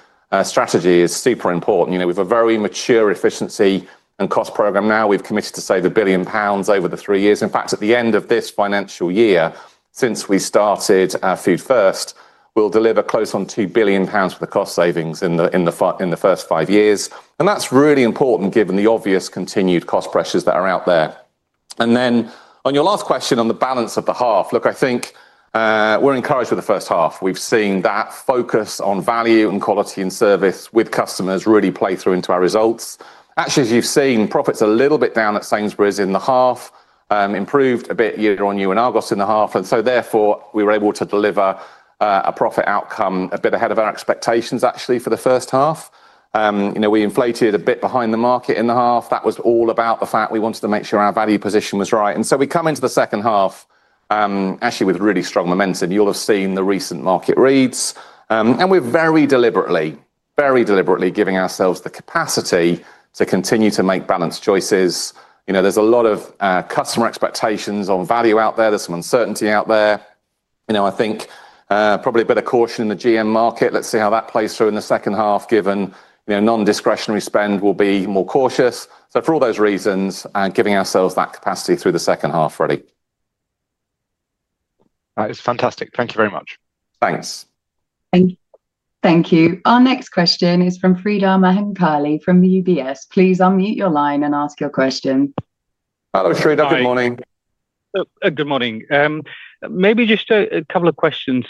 strategy is super important. We have a very mature efficiency and cost program now. We've committed to save 1 billion pounds over the three years. In fact, at the end of this financial year, since we started Food First, we'll deliver close on 2 billion pounds for the cost savings in the first five years. That is really important given the obvious continued cost pressures that are out there. On your last question on the balance of the half, look, I think. We're encouraged with the first half. We've seen that focus on value and quality and service with customers really play through into our results. Actually, as you've seen, profits are a little bit down at Sainsbury's in the half, improved a bit year-on-year in Argos in the half. Therefore, we were able to deliver a profit outcome a bit ahead of our expectations, actually, for the first half. We inflated a bit behind the market in the half. That was all about the fact we wanted to make sure our value position was right. We come into the second half actually with really strong momentum. You'll have seen the recent market reads. We're very deliberately, very deliberately giving ourselves the capacity to continue to make balanced choices. There's a lot of customer expectations on value out there. There's some uncertainty out there. I think probably a bit of caution in the GM market. Let's see how that plays through in the second half, given non-discretionary spend will be more cautious. For all those reasons, giving ourselves that capacity through the second half, really. That is fantastic. Thank you very much. Thanks. Thank you. Our next question is from Sreedhar Mahamkali from UBS. Please unmute your line and ask your question. Hello, Sreedhar. Good morning. Good morning. Maybe just a couple of questions.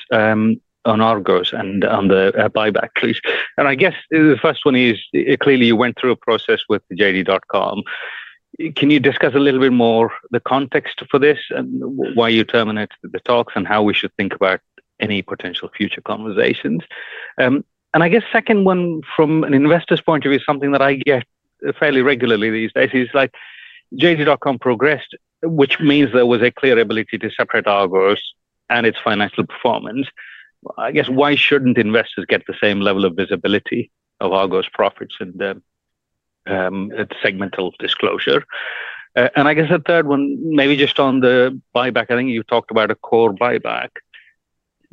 On Argos and on the buyback, please. I guess the first one is clearly you went through a process with JD.com. Can you discuss a little bit more the context for this and why you terminated the talks and how we should think about any potential future conversations? I guess the second one from an investor's point of view is something that I get fairly regularly these days. It's like JD.com progressed, which means there was a clear ability to separate Argos and its financial performance. I guess, why shouldn't investors get the same level of visibility of Argos profits and segmental disclosure? I guess the third one, maybe just on the buyback, I think you talked about a core buyback.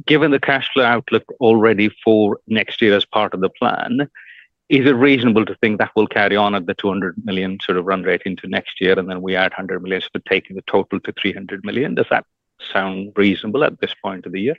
Given the cash flow outlook already for next year as part of the plan. Is it reasonable to think that will carry on at the 200 million sort of run rate into next year and then we add 100 million, so taking the total to 300 million? Does that sound reasonable at this point of the year?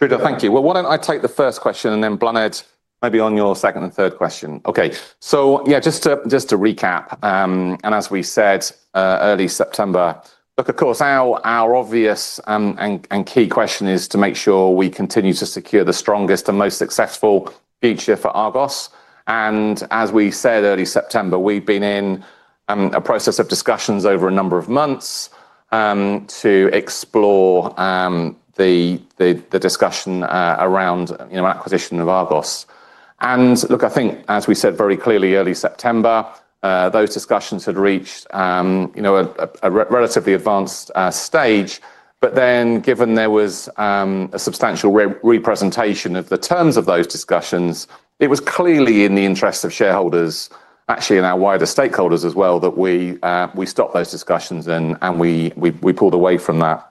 Sreedhar, thank you. Why don't I take the first question and then Bláthnaid, maybe on your second and third question. Okay, so yeah, just to recap, and as we said early September, look, of course, our obvious and key question is to make sure we continue to secure the strongest and most successful future for Argos. As we said early September, we've been in a process of discussions over a number of months to explore the discussion around acquisition of Argos. I think, as we said very clearly early September, those discussions had reached. A relatively advanced stage, but then given there was a substantial re-presentation of the terms of those discussions, it was clearly in the interest of shareholders, actually in our wider stakeholders as well, that we stopped those discussions and we pulled away from that.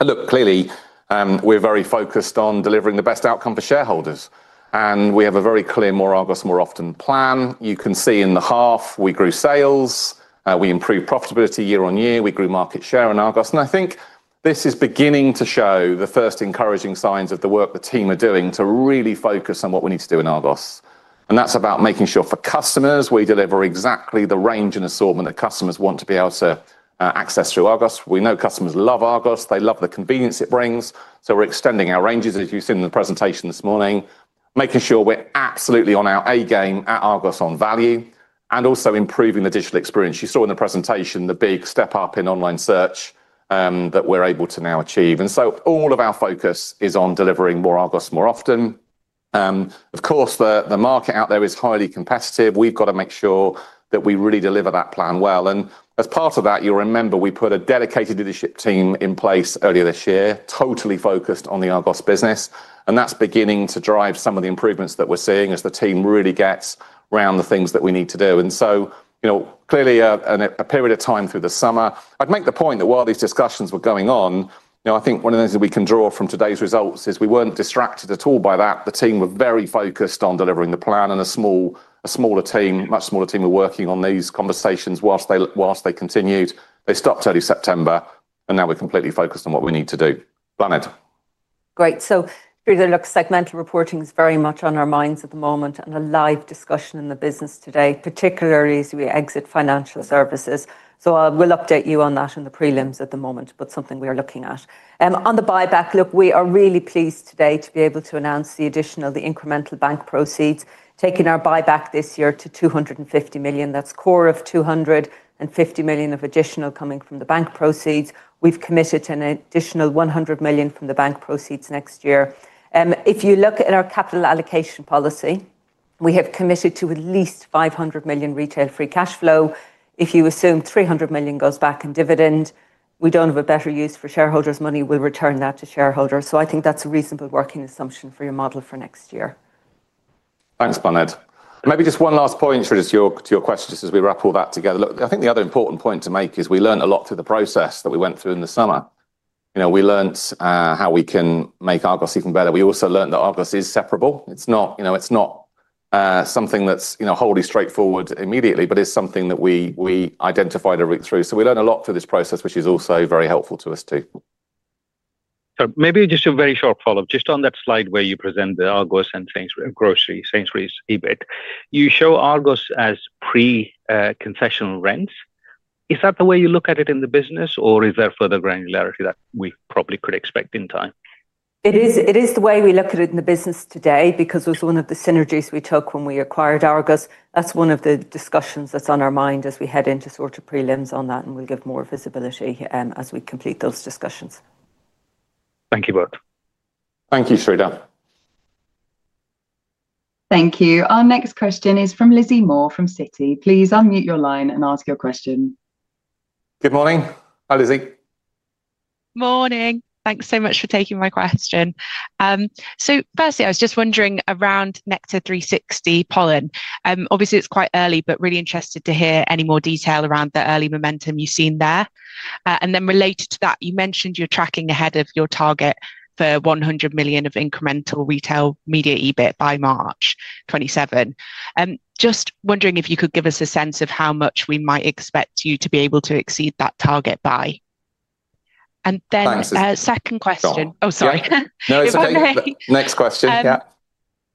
Look, clearly. We're very focused on delivering the best outcome for shareholders, and we have a very clear more Argos, more often plan. You can see in the half, we grew sales, we improved profitability year-on-year, we grew market share in Argos. I think this is beginning to show the first encouraging signs of the work the team are doing to really focus on what we need to do in Argos. That's about making sure for customers we deliver exactly the range and assortment that customers want to be able to access through Argos. We know customers love Argos. They love the convenience it brings. We are extending our ranges, as you have seen in the presentation this morning, making sure we are absolutely on our A game at Argos on value, and also improving the digital experience. You saw in the presentation the big step up in online search that we are able to now achieve. All of our focus is on delivering more Argos, more often. Of course, the market out there is highly competitive. We have to make sure that we really deliver that plan well. As part of that, you will remember we put a dedicated leadership team in place earlier this year, totally focused on the Argos business. That is beginning to drive some of the improvements that we are seeing as the team really gets around the things that we need to do. Clearly a period of time through the summer, I'd make the point that while these discussions were going on, I think one of the things that we can draw from today's results is we weren't distracted at all by that. The team were very focused on delivering the plan, and a small team, much smaller team, were working on these conversations whilst they continued. They stopped early September, and now we're completely focused on what we need to do. Bláthnaid. Great. Sreedhar, it looks segmental reporting is very much on our minds at the moment and a live discussion in the business today, particularly as we exit financial services. We'll update you on that in the prelims at the moment, but something we are looking at. On the buyback, look, we are really pleased today to be able to announce the additional, the incremental bank proceeds, taking our buyback this year to 250 million. That's core of 250 million of additional coming from the bank proceeds. We've committed an additional 100 million from the bank proceeds next year. If you look at our capital allocation policy, we have committed to at least 500 million retail free cash flow. If you assume 300 million goes back in dividend, we don't have a better use for shareholders' money. We'll return that to shareholders. I think that's a reasonable working assumption for your model for next year. Thanks, Bláthnaid. Maybe just one last point to your question just as we wrap all that together. I think the other important point to make is we learned a lot through the process that we went through in the summer. We learned how we can make Argos even better. We also learned that Argos is separable. It's not something that's wholly straightforward immediately, but it's something that we identified a route through. We learned a lot through this process, which is also very helpful to us too. Maybe just a very short follow-up. Just on that slide where you present the Argos and Sainsbury's EBIT, you show Argos as pre-concessional rent. Is that the way you look at it in the business, or is there further granularity that we probably could expect in time? It is the way we look at it in the business today because it was one of the synergies we took when we acquired Argos. That's one of the discussions that's on our mind as we head into sort of prelims on that, and we'll give more visibility as we complete those discussions. Thank you both. Thank you, Sreedhar. Thank you. Our next question is from Lizzie Moore from Citi. Please unmute your line and ask your question. Good morning. Hi, Lizzie. Morning. Thanks so much for taking my question. Firstly, I was just wondering around Nectar360 Pollen. Obviously, it's quite early, but really interested to hear any more detail around the early momentum you've seen there. Related to that, you mentioned you're tracking ahead of your target for 100 million of incremental retail media EBIT by March 2027. Just wondering if you could give us a sense of how much we might expect you to be able to exceed that target by. A second question. Oh, sorry. No, it's okay. Next question. Yeah.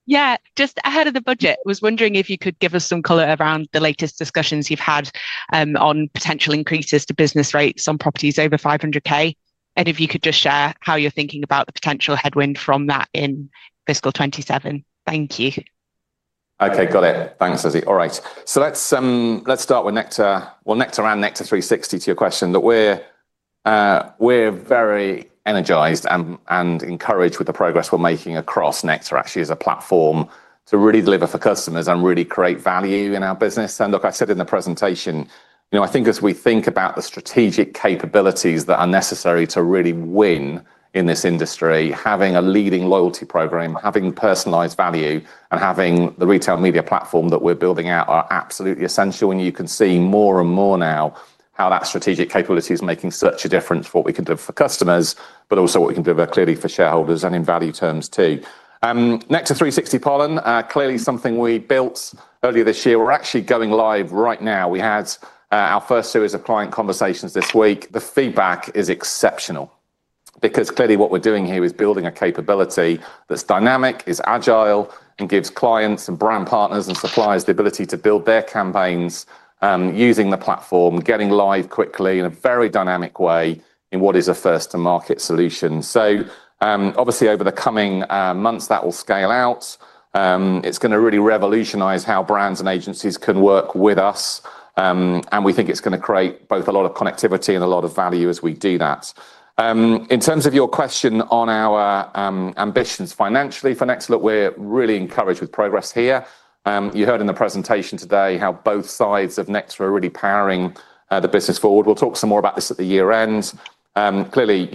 Yeah. Just ahead of the budget, I was wondering if you could give us some color around the latest discussions you've had on potential increases to business rates on properties over 500,000. And if you could just share how you're thinking about the potential headwind from that in fiscal 2027. Thank you. Okay, got it. Thanks, Lizzie. All right. Let's start with Nectar. Nectar and Nectar360, to your question, we are very energized and encouraged with the progress we're making across Nectar, actually, as a platform to really deliver for customers and really create value in our business. I said in the presentation, I think as we think about the strategic capabilities that are necessary to really win in this industry, having a leading loyalty program, having personalized value, and having the retail media platform that we're building out are absolutely essential. You can see more and more now how that strategic capability is making such a difference for what we can deliver for customers, but also what we can deliver clearly for shareholders and in value terms too. Nectar360 Pollen, clearly something we built earlier this year. We are actually going live right now. We had our first series of client conversations this week. The feedback is exceptional because clearly what we are doing here is building a capability that is dynamic, is agile, and gives clients and brand partners and suppliers the ability to build their campaigns using the platform, getting live quickly in a very dynamic way in what is a first-to-market solution. Over the coming months, that will scale out. It is going to really revolutionize how brands and agencies can work with us. We think it is going to create both a lot of connectivity and a lot of value as we do that. In terms of your question on our ambitions financially for Next Look, we are really encouraged with progress here. You heard in the presentation today how both sides of Nectar are really powering the business forward. We will talk some more about this at the year-end. Clearly,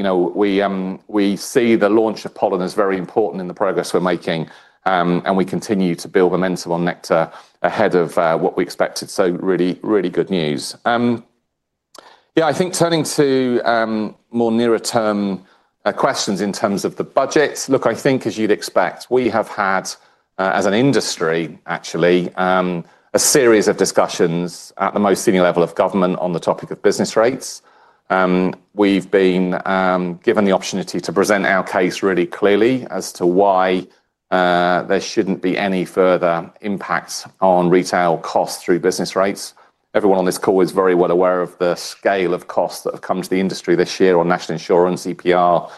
we see the launch of Pollen as very important in the progress we are making, and we continue to build momentum on Nectar ahead of what we expected. Really, really good news. I think turning to more nearer-term questions in terms of the budget, as you would expect, we have had, as an industry actually, a series of discussions at the most senior level of government on the topic of business rates. We've been given the opportunity to present our case really clearly as to why there shouldn't be any further impacts on retail costs through business rates. Everyone on this call is very well aware of the scale of costs that have come to the industry this year on national insurance, EPR,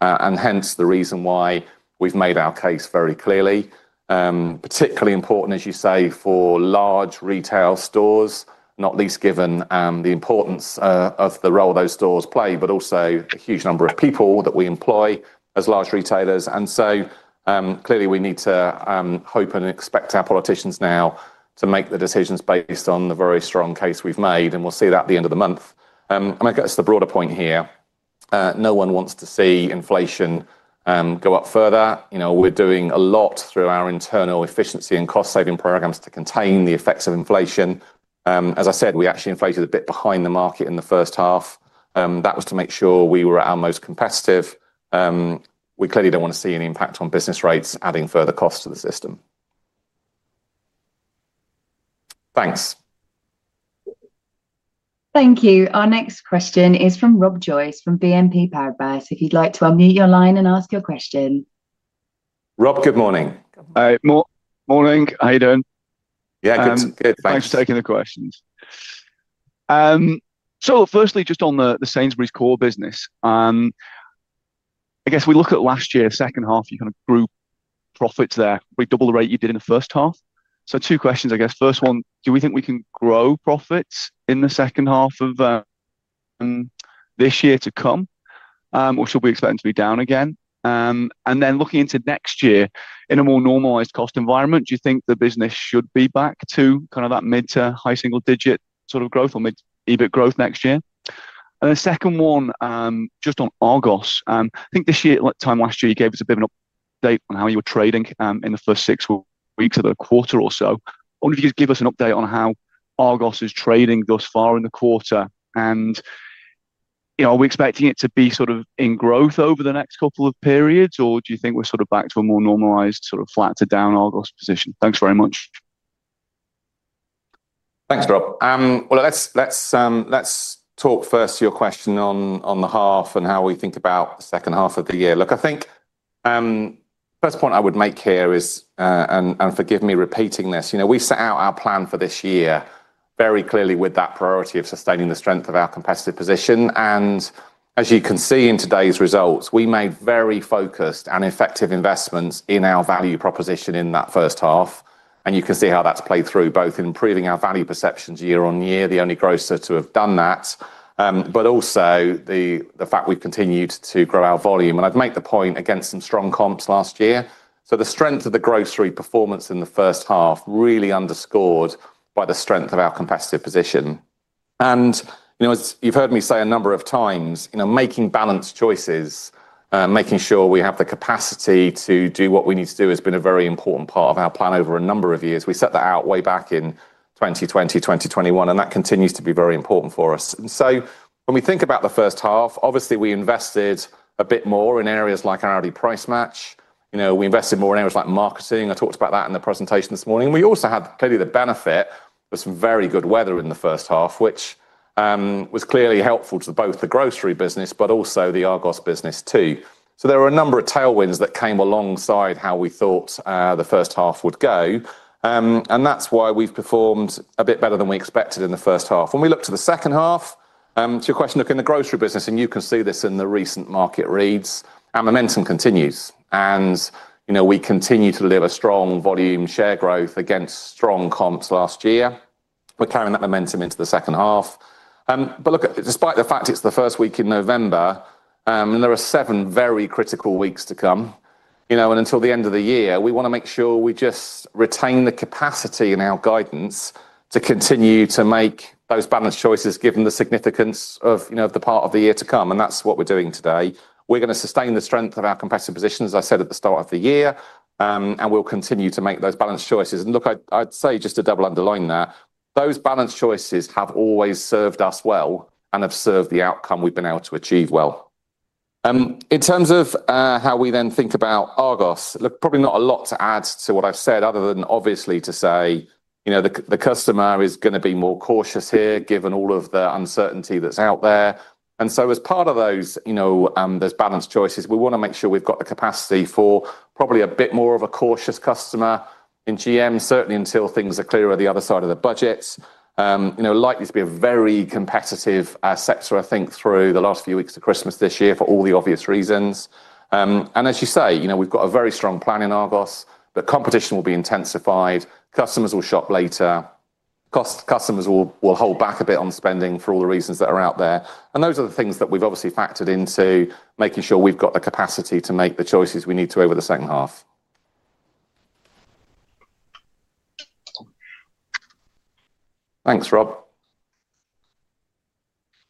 and hence the reason why we've made our case very clearly. Particularly important, as you say, for large retail stores, not least given the importance of the role those stores play, but also a huge number of people that we employ as large retailers. Clearly, we need to hope and expect our politicians now to make the decisions based on the very strong case we've made. We'll see that at the end of the month. I guess the broader point here, no one wants to see inflation go up further. We're doing a lot through our internal efficiency and cost-saving programs to contain the effects of inflation. As I said, we actually inflated a bit behind the market in the first half. That was to make sure we were at our most competitive. We clearly don't want to see an impact on business rates adding further costs to the system. Thanks. Thank you. Our next question is from Rob Joyce from BNP Paribas. If you'd like to unmute your line and ask your question. Rob, good morning. Good morning. How are you doing? Yeah, good. Thanks for taking the questions. Firstly, just on the Sainsbury's core business. I guess we look at last year's second half, you kind of grew profits there. We doubled the rate you did in the first half. Two questions, I guess. First one, do we think we can grow profits in the second half of this year to come, which we'll be expecting to be down again? Then looking into next year, in a more normalized cost environment, do you think the business should be back to kind of that mid to high single-digit sort of growth or mid-EBIT growth next year? The second one, just on Argos, I think this time last year, you gave us a bit of an update on how you were trading in the first six weeks of the quarter or so. I wonder if you could give us an update on how Argos is trading thus far in the quarter. Are we expecting it to be sort of in growth over the next couple of periods, or do you think we're sort of back to a more normalized sort of flat to down Argos position? Thanks very much. Thanks, Rob. Let's talk first to your question on the half and how we think about the second half of the year. Look, I think the first point I would make here is, and forgive me repeating this, we set out our plan for this year very clearly with that priority of sustaining the strength of our competitive position. As you can see in today's results, we made very focused and effective investments in our value proposition in that first half. You can see how that's played through both in improving our value perceptions year-on-year, the only grocer to have done that. The fact we have continued to grow our volume is important. I would make the point against some strong comps last year. The strength of the grocery performance in the first half is really underscored by the strength of our competitive position. You have heard me say a number of times, making balanced choices and making sure we have the capacity to do what we need to do has been a very important part of our plan over a number of years. We set that out way back in 2020, 2021, and that continues to be very important for us. When we think about the first half, obviously, we invested a bit more in areas like our Aldi Price Match. We invested more in areas like marketing. I talked about that in the presentation this morning. We also had clearly the benefit of some very good weather in the first half, which was clearly helpful to both the grocery business, but also the Argos business too. There were a number of tailwinds that came alongside how we thought the first half would go. That is why we've performed a bit better than we expected in the first half. When we look to the second half, to your question, look, in the grocery business, and you can see this in the recent market reads, our momentum continues. We continue to deliver strong volume share growth against strong comps last year. We're carrying that momentum into the second half. Despite the fact it's the first week in November, there are seven very critical weeks to come. Until the end of the year, we want to make sure we just retain the capacity in our guidance to continue to make those balanced choices given the significance of the part of the year to come. That is what we are doing today. We are going to sustain the strength of our competitive position, as I said at the start of the year, and we will continue to make those balanced choices. I would say just to double underline that, those balanced choices have always served us well and have served the outcome we have been able to achieve well. In terms of how we then think about Argos, probably not a lot to add to what I have said other than obviously to say the customer is going to be more cautious here given all of the uncertainty that is out there. As part of those. Those balanced choices, we want to make sure we've got the capacity for probably a bit more of a cautious customer in GM, certainly until things are clearer the other side of the budgets. Likely to be a very competitive sector, I think, through the last few weeks to Christmas this year for all the obvious reasons. As you say, we've got a very strong plan in Argos, but competition will be intensified. Customers will shop later. Customers will hold back a bit on spending for all the reasons that are out there. Those are the things that we've obviously factored into, making sure we've got the capacity to make the choices we need to over the second half. Thanks, Rob.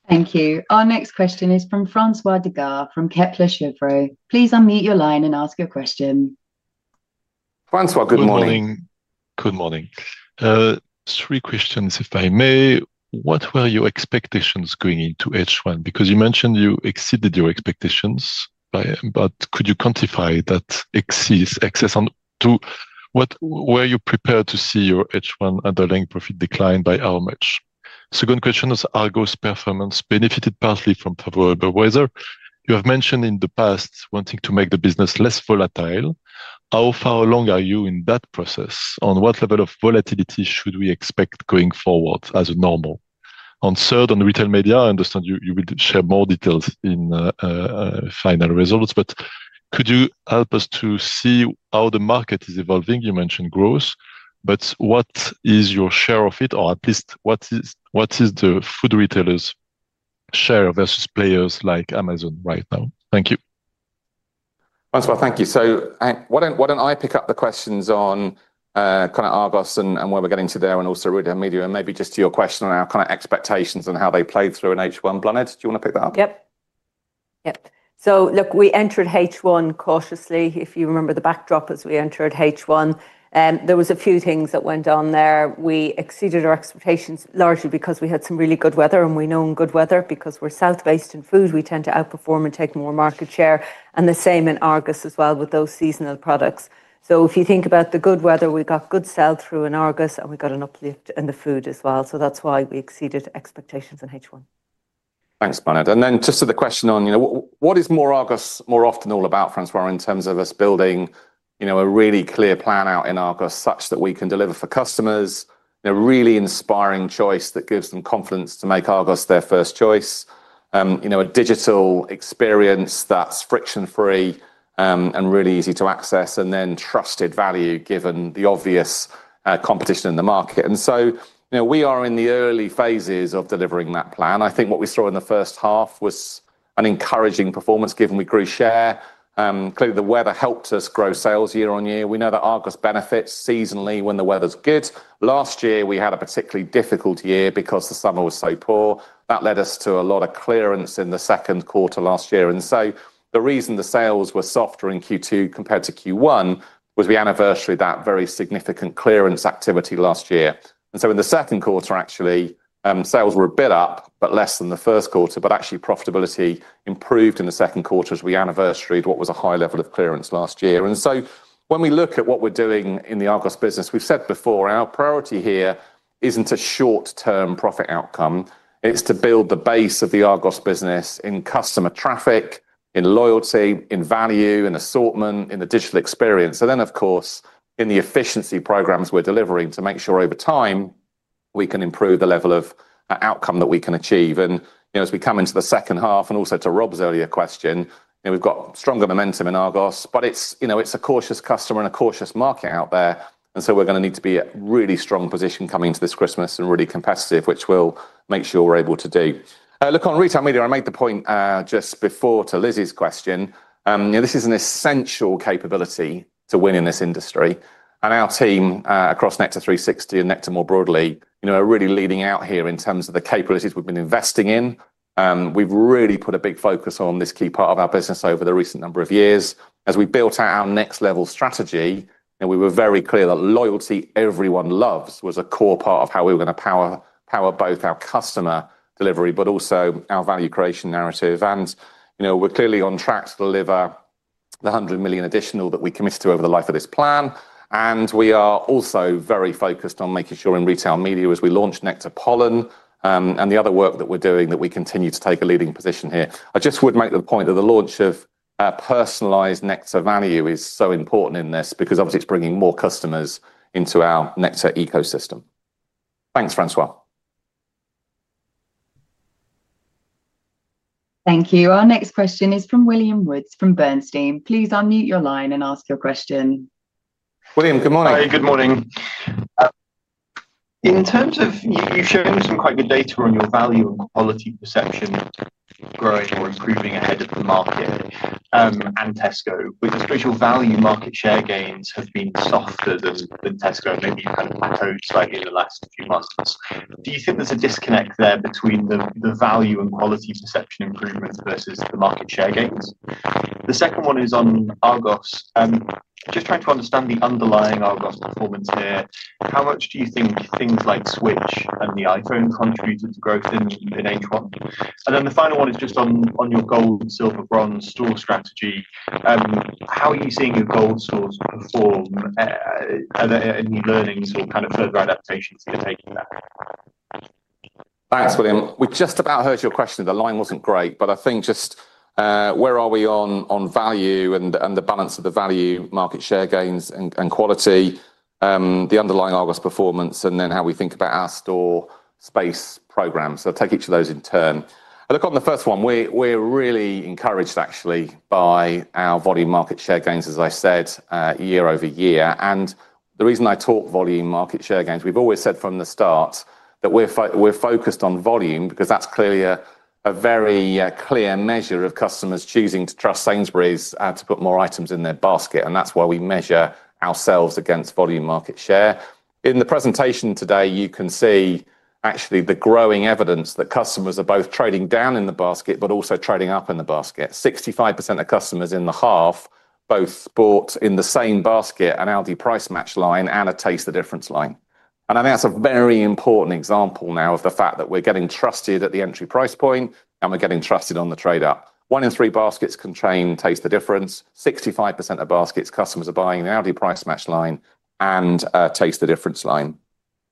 Thank you. Our next question is from François Digard from Kepler Chevreux. Please unmute your line and ask your question. François, good morning. Good morning. Three questions, if I may. What were your expectations going into H1? Because you mentioned you exceeded your expectations. Could you quantify that excess? Were you prepared to see your H1 underlying profit decline by how much? Second question is Argos performance benefited partly from favorable weather. You have mentioned in the past wanting to make the business less volatile. How far along are you in that process? On what level of volatility should we expect going forward as a normal? Third, on retail media, I understand you will share more details in final results. Could you help us to see how the market is evolving? You mentioned growth. What is your share of it, or at least what is the food retailers' share vs players like Amazon right now? Thank you. François, thank you. Why do I not pick up the questions on. Kind of Argos and where we're getting to there and also retail media? Maybe just to your question on our kind of expectations and how they played through in H1, Bláthnaid, do you want to pick that up? Yep. Yep. Look, we entered H1 cautiously. If you remember the backdrop as we entered H1, there were a few things that went on there. We exceeded our expectations largely because we had some really good weather. We know in good weather, because we're south based in food, we tend to outperform and take more market share. The same in Argos as well with those seasonal products. If you think about the good weather, we got good sell-through in Argos and we got an uplift in the food as well. That's why we exceeded expectations in H1. Thanks, Bláthnaid. Just to the question on. What is more Argos more often all about, François, in terms of us building a really clear plan out in Argos such that we can deliver for customers? A really inspiring choice that gives them confidence to make Argos their first choice. A digital experience that's friction-free and really easy to access, and then trusted value given the obvious competition in the market. We are in the early phases of delivering that plan. I think what we saw in the first half was an encouraging performance given we grew share. Clearly, the weather helped us grow sales year-on-year. We know that Argos benefits seasonally when the weather's good. Last year, we had a particularly difficult year because the summer was so poor. That led us to a lot of clearance in the second quarter last year. The reason the sales were softer in Q2 compared to Q1 was we anniversary that very significant clearance activity last year. In the second quarter, actually, sales were a bit up, but less than the first quarter. Actually, profitability improved in the second quarter as we anniversary what was a high level of clearance last year. When we look at what we're doing in the Argos business, we've said before, our priority here isn't a short-term profit outcome. It's to build the base of the Argos business in customer traffic, in loyalty, in value, in assortment, in the digital experience. Of course, in the efficiency programs we're delivering to make sure over time we can improve the level of outcome that we can achieve. As we come into the second half, and also to Rob's earlier question, we've got stronger momentum in Argos, but it's a cautious customer and a cautious market out there. We're going to need to be at a really strong position coming into this Christmas and really competitive, which we'll make sure we're able to do. Look, on retail media, I made the point just before to Lizzie's question. This is an essential capability to win in this industry. Our team across Nectar360 and Nectar more broadly are really leading out here in terms of the capabilities we've been investing in. We've really put a big focus on this key part of our business over the recent number of years. As we built out our next-level strategy, we were very clear that loyalty everyone loves was a core part of how we were going to power both our customer delivery, but also our value creation narrative. We are clearly on track to deliver the 100 million additional that we committed to over the life of this plan. We are also very focused on making sure in retail media as we launch Nectar360 and the other work that we are doing that we continue to take a leading position here. I just would make the point that the launch of personalized Nectar value is so important in this because obviously it is bringing more customers into our Nectar ecosystem. Thanks, François. Thank you. Our next question is from William Woods from Bernstein. Please unmute your line and ask your question. William, good morning. Hi, good morning. In terms of you've shown some quite good data on your value and quality perception growing or improving ahead of the market. Tesco, which is special, value market share gains have been softer than Tesco, maybe you've kind of plateaued slightly in the last few months. Do you think there's a disconnect there between the value and quality perception improvement vs the market share gains? The second one is on Argos. Just trying to understand the underlying Argos performance here. How much do you think things like Switch and the iPhone contributed to growth in H1? The final one is just on your gold, silver, bronze store strategy. How are you seeing your gold stores perform, and any learnings or kind of further adaptations to take from that? Thanks, William. We just about heard your question. The line wasn't great, but I think just. Where are we on value and the balance of the value market share gains and quality. The underlying Argos performance, and then how we think about our store space program. Take each of those in turn. Look, on the first one, we're really encouraged actually by our volume market share gains, as I said, year over year. The reason I talk volume market share gains, we've always said from the start that we're focused on volume because that's clearly a very clear measure of customers choosing to trust Sainsbury's to put more items in their basket. That's why we measure ourselves against volume market share. In the presentation today, you can see actually the growing evidence that customers are both trading down in the basket, but also trading up in the basket. 65% of customers in the half, both bought in the same basket, an Aldi Price Match line and a Taste the Difference line. I think that's a very important example now of the fact that we're getting trusted at the entry price point and we're getting trusted on the trade-up. One in three baskets contain Taste the Difference. 65% of baskets customers are buying the Aldi Price Match line and Taste the Difference line.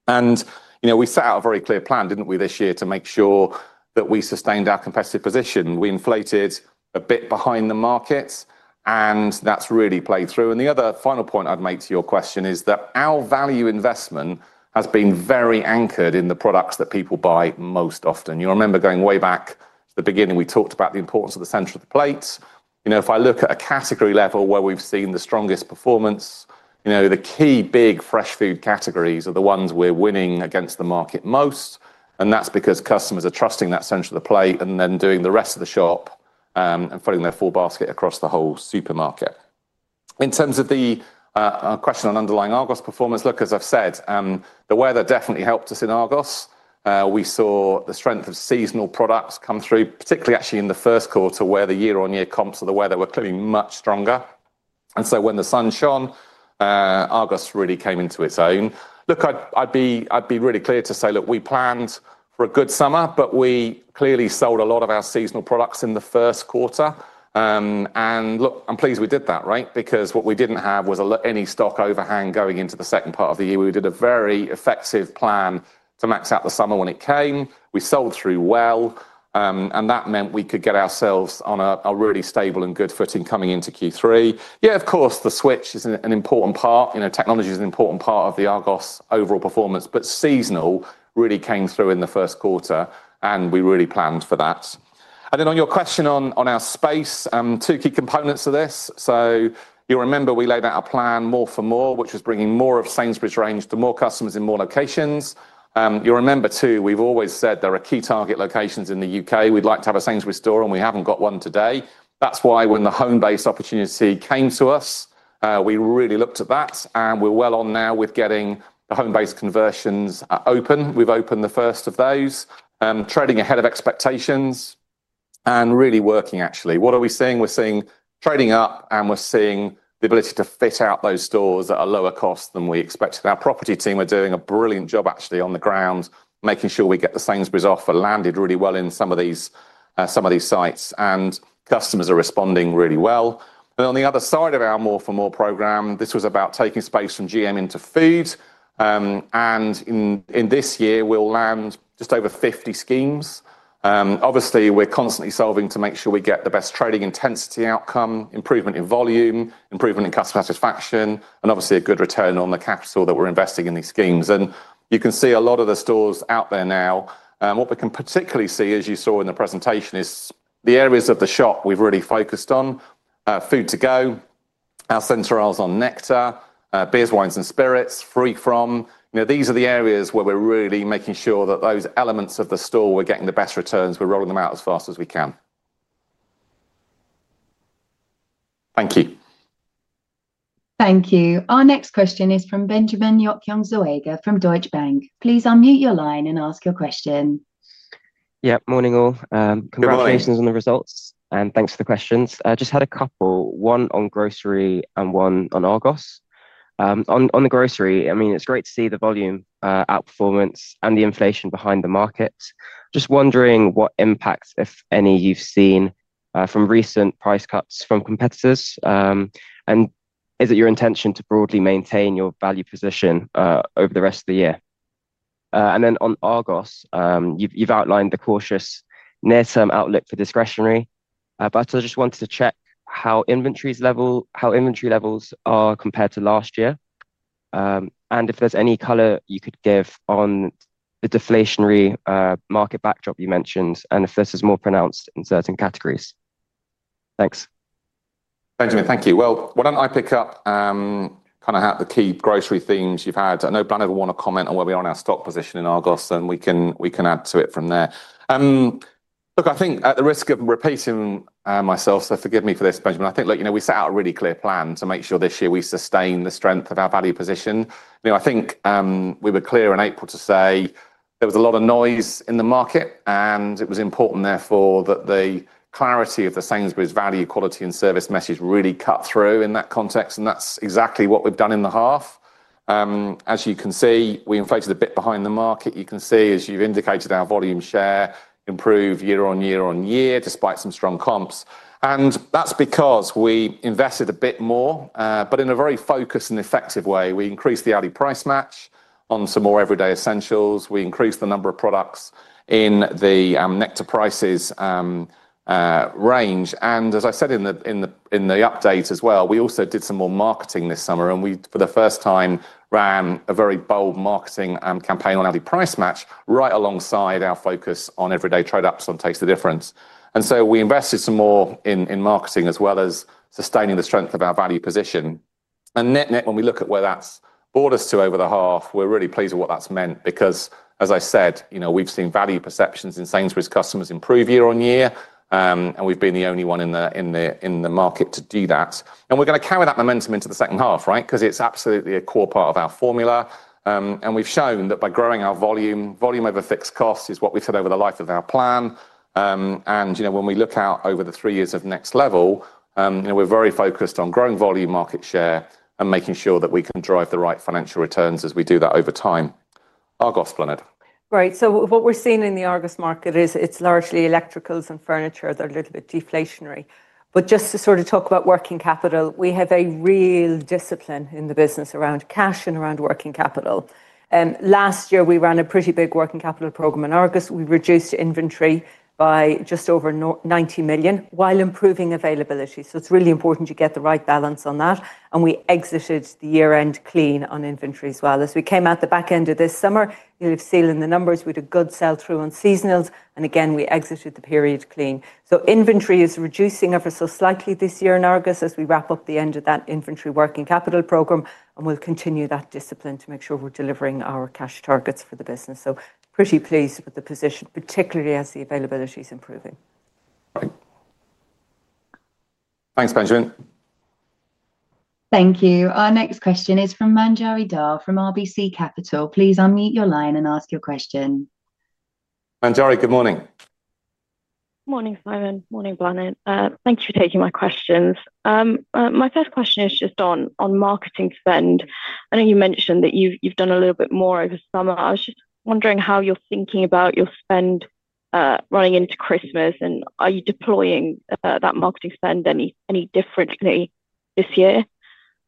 We set out a very clear plan, did not we, this year to make sure that we sustained our competitive position. We inflated a bit behind the markets, and that's really played through. The other final point I'd make to your question is that our value investment has been very anchored in the products that people buy most often. You remember going way back to the beginning, we talked about the importance of the center of the plates. If I look at a category level where we've seen the strongest performance, the key big fresh food categories are the ones we're winning against the market most. That is because customers are trusting that center of the plate and then doing the rest of the shop, and filling their full basket across the whole supermarket. In terms of the question on underlying Argos performance, look, as I've said, the weather definitely helped us in Argos. We saw the strength of seasonal products come through, particularly actually in the first quarter where the year-on-year comps of the weather were clearly much stronger. When the sun shone, Argos really came into its own. Look, I'd be really clear to say, look, we planned for a good summer, but we clearly sold a lot of our seasonal products in the first quarter. I'm pleased we did that, right? Because what we didn't have was any stock overhang going into the second part of the year. We did a very effective plan to max out the summer when it came. We sold through well. That meant we could get ourselves on a really stable and good footing coming into Q3. Yeah, of course, the switch is an important part. Technology is an important part of the Argos overall performance, but seasonal really came through in the first quarter and we really planned for that. On your question on our space, two key components of this. You'll remember we laid out a plan for more, which was bringing more of Sainsbury's range to more customers in more locations. You'll remember too, we've always said there are key target locations in the U.K. we'd like to have a Sainsbury's store and we haven't got one today. That's why when the Homebase opportunity came to us, we really looked at that and we're well on now with getting the Homebase conversions open. We've opened the first of those, trading ahead of expectations. It's really working actually. What are we seeing? We're seeing trading up and we're seeing the ability to fit out those stores at a lower cost than we expected. Our property team are doing a brilliant job actually on the ground, making sure we get the Sainsbury's offer landed really well in some of these sites and customers are responding really well. On the other side of our more for more program, this was about taking space from GM into food. In this year, we will land just over 50 schemes. Obviously, we are constantly solving to make sure we get the best trading intensity outcome, improvement in volume, improvement in customer satisfaction, and obviously a good return on the capital that we are investing in these schemes. You can see a lot of the stores out there now. What we can particularly see, as you saw in the presentation, is the areas of the shop we have really focused on. Food to Go, our central aisles on Nectar, Beers, Wines, and Spirits, Freefrom. These are the areas where we are really making sure that those elements of the store we are getting the best returns. We are rolling them out as fast as we can. Thank you. Thank you. Our next question is from Benjamin Yokyong-Zoega from Deutsche Bank. Please unmute your line and ask your question. Yep, morning all. Congratulations on the results and thanks for the questions. I just had a couple, one on grocery and one on Argos. On the grocery, I mean, it's great to see the volume outperformance and the inflation behind the market. Just wondering what impacts, if any, you've seen from recent price cuts from competitors. Is it your intention to broadly maintain your value position over the rest of the year? On Argos, you've outlined the cautious near-term outlook for discretionary. I just wanted to check how inventory levels are compared to last year. If there's any color you could give on the deflationary market backdrop you mentioned and if this is more pronounced in certain categories. Thanks. Benjamin, thank you. Why don't I pick up. Kind of at the key grocery themes you've had. I know Bernard will want to comment on where we are on our stock position in Argos and we can add to it from there. Look, I think at the risk of repeating myself, so forgive me for this, Benjamin, I think we set out a really clear plan to make sure this year we sustain the strength of our value position. I think we were clear in April to say there was a lot of noise in the market and it was important therefore that the clarity of the Sainsbury's value, quality, and service message really cut through in that context. That's exactly what we've done in the half. As you can see, we inflated a bit behind the market. You can see, as you've indicated, our volume share improved year-on-year despite some strong comps. That's because we invested a bit more, but in a very focused and effective way. We increased the Aldi Price Match on some more everyday essentials. We increased the number of products in the Nectar Prices range. As I said in the update as well, we also did some more marketing this summer and, for the first time, ran a very bold marketing campaign on Aldi Price Match right alongside our focus on everyday trade-ups on Taste the Difference. We invested some more in marketing as well as sustaining the strength of our value position. NetNet, when we look at where that's brought us to over the half, we're really pleased with what that's meant because, as I said, we've seen value perceptions in Sainsbury's customers improve year-on-year. We've been the only one in the market to do that. We're going to carry that momentum into the second half, right? It's absolutely a core part of our formula. We've shown that by growing our volume, volume over fixed cost is what we've said over the life of our plan. When we look out over the three years of Next Level, we're very focused on growing volume, market share, and making sure that we can drive the right financial returns as we do that over time. Argos, Bláthnaid. Right, so what we're seeing in the Argos market is it's largely electricals and furniture that are a little bit deflationary. But just to sort of talk about working capital, we have a real discipline in the business around cash and around working capital. Last year, we ran a pretty big working capital program in Argos. We reduced inventory by just over 90 million while improving availability. So it's really important to get the right balance on that. And we exited the year-end clean on inventory as well. As we came out the back end of this summer, you'll have seen in the numbers, we did a good sell-through on seasonals. And again, we exited the period clean. So inventory is reducing ever so slightly this year in Argos as we wrap up the end of that inventory working capital program. We'll continue that discipline to make sure we're delivering our cash targets for the business. Pretty pleased with the position, particularly as the availability is improving. Thanks, Benjamin. Thank you. Our next question is from Manjari Dhar from RBC Capital. Please unmute your line and ask your question. Manjari, good morning. Morning, Simon. Morning, Bláthnaid. Thank you for taking my questions. My first question is just on marketing spend. I know you mentioned that you've done a little bit more over the summer. I was just wondering how you're thinking about your spend running into Christmas. Are you deploying that marketing spend any differently this year?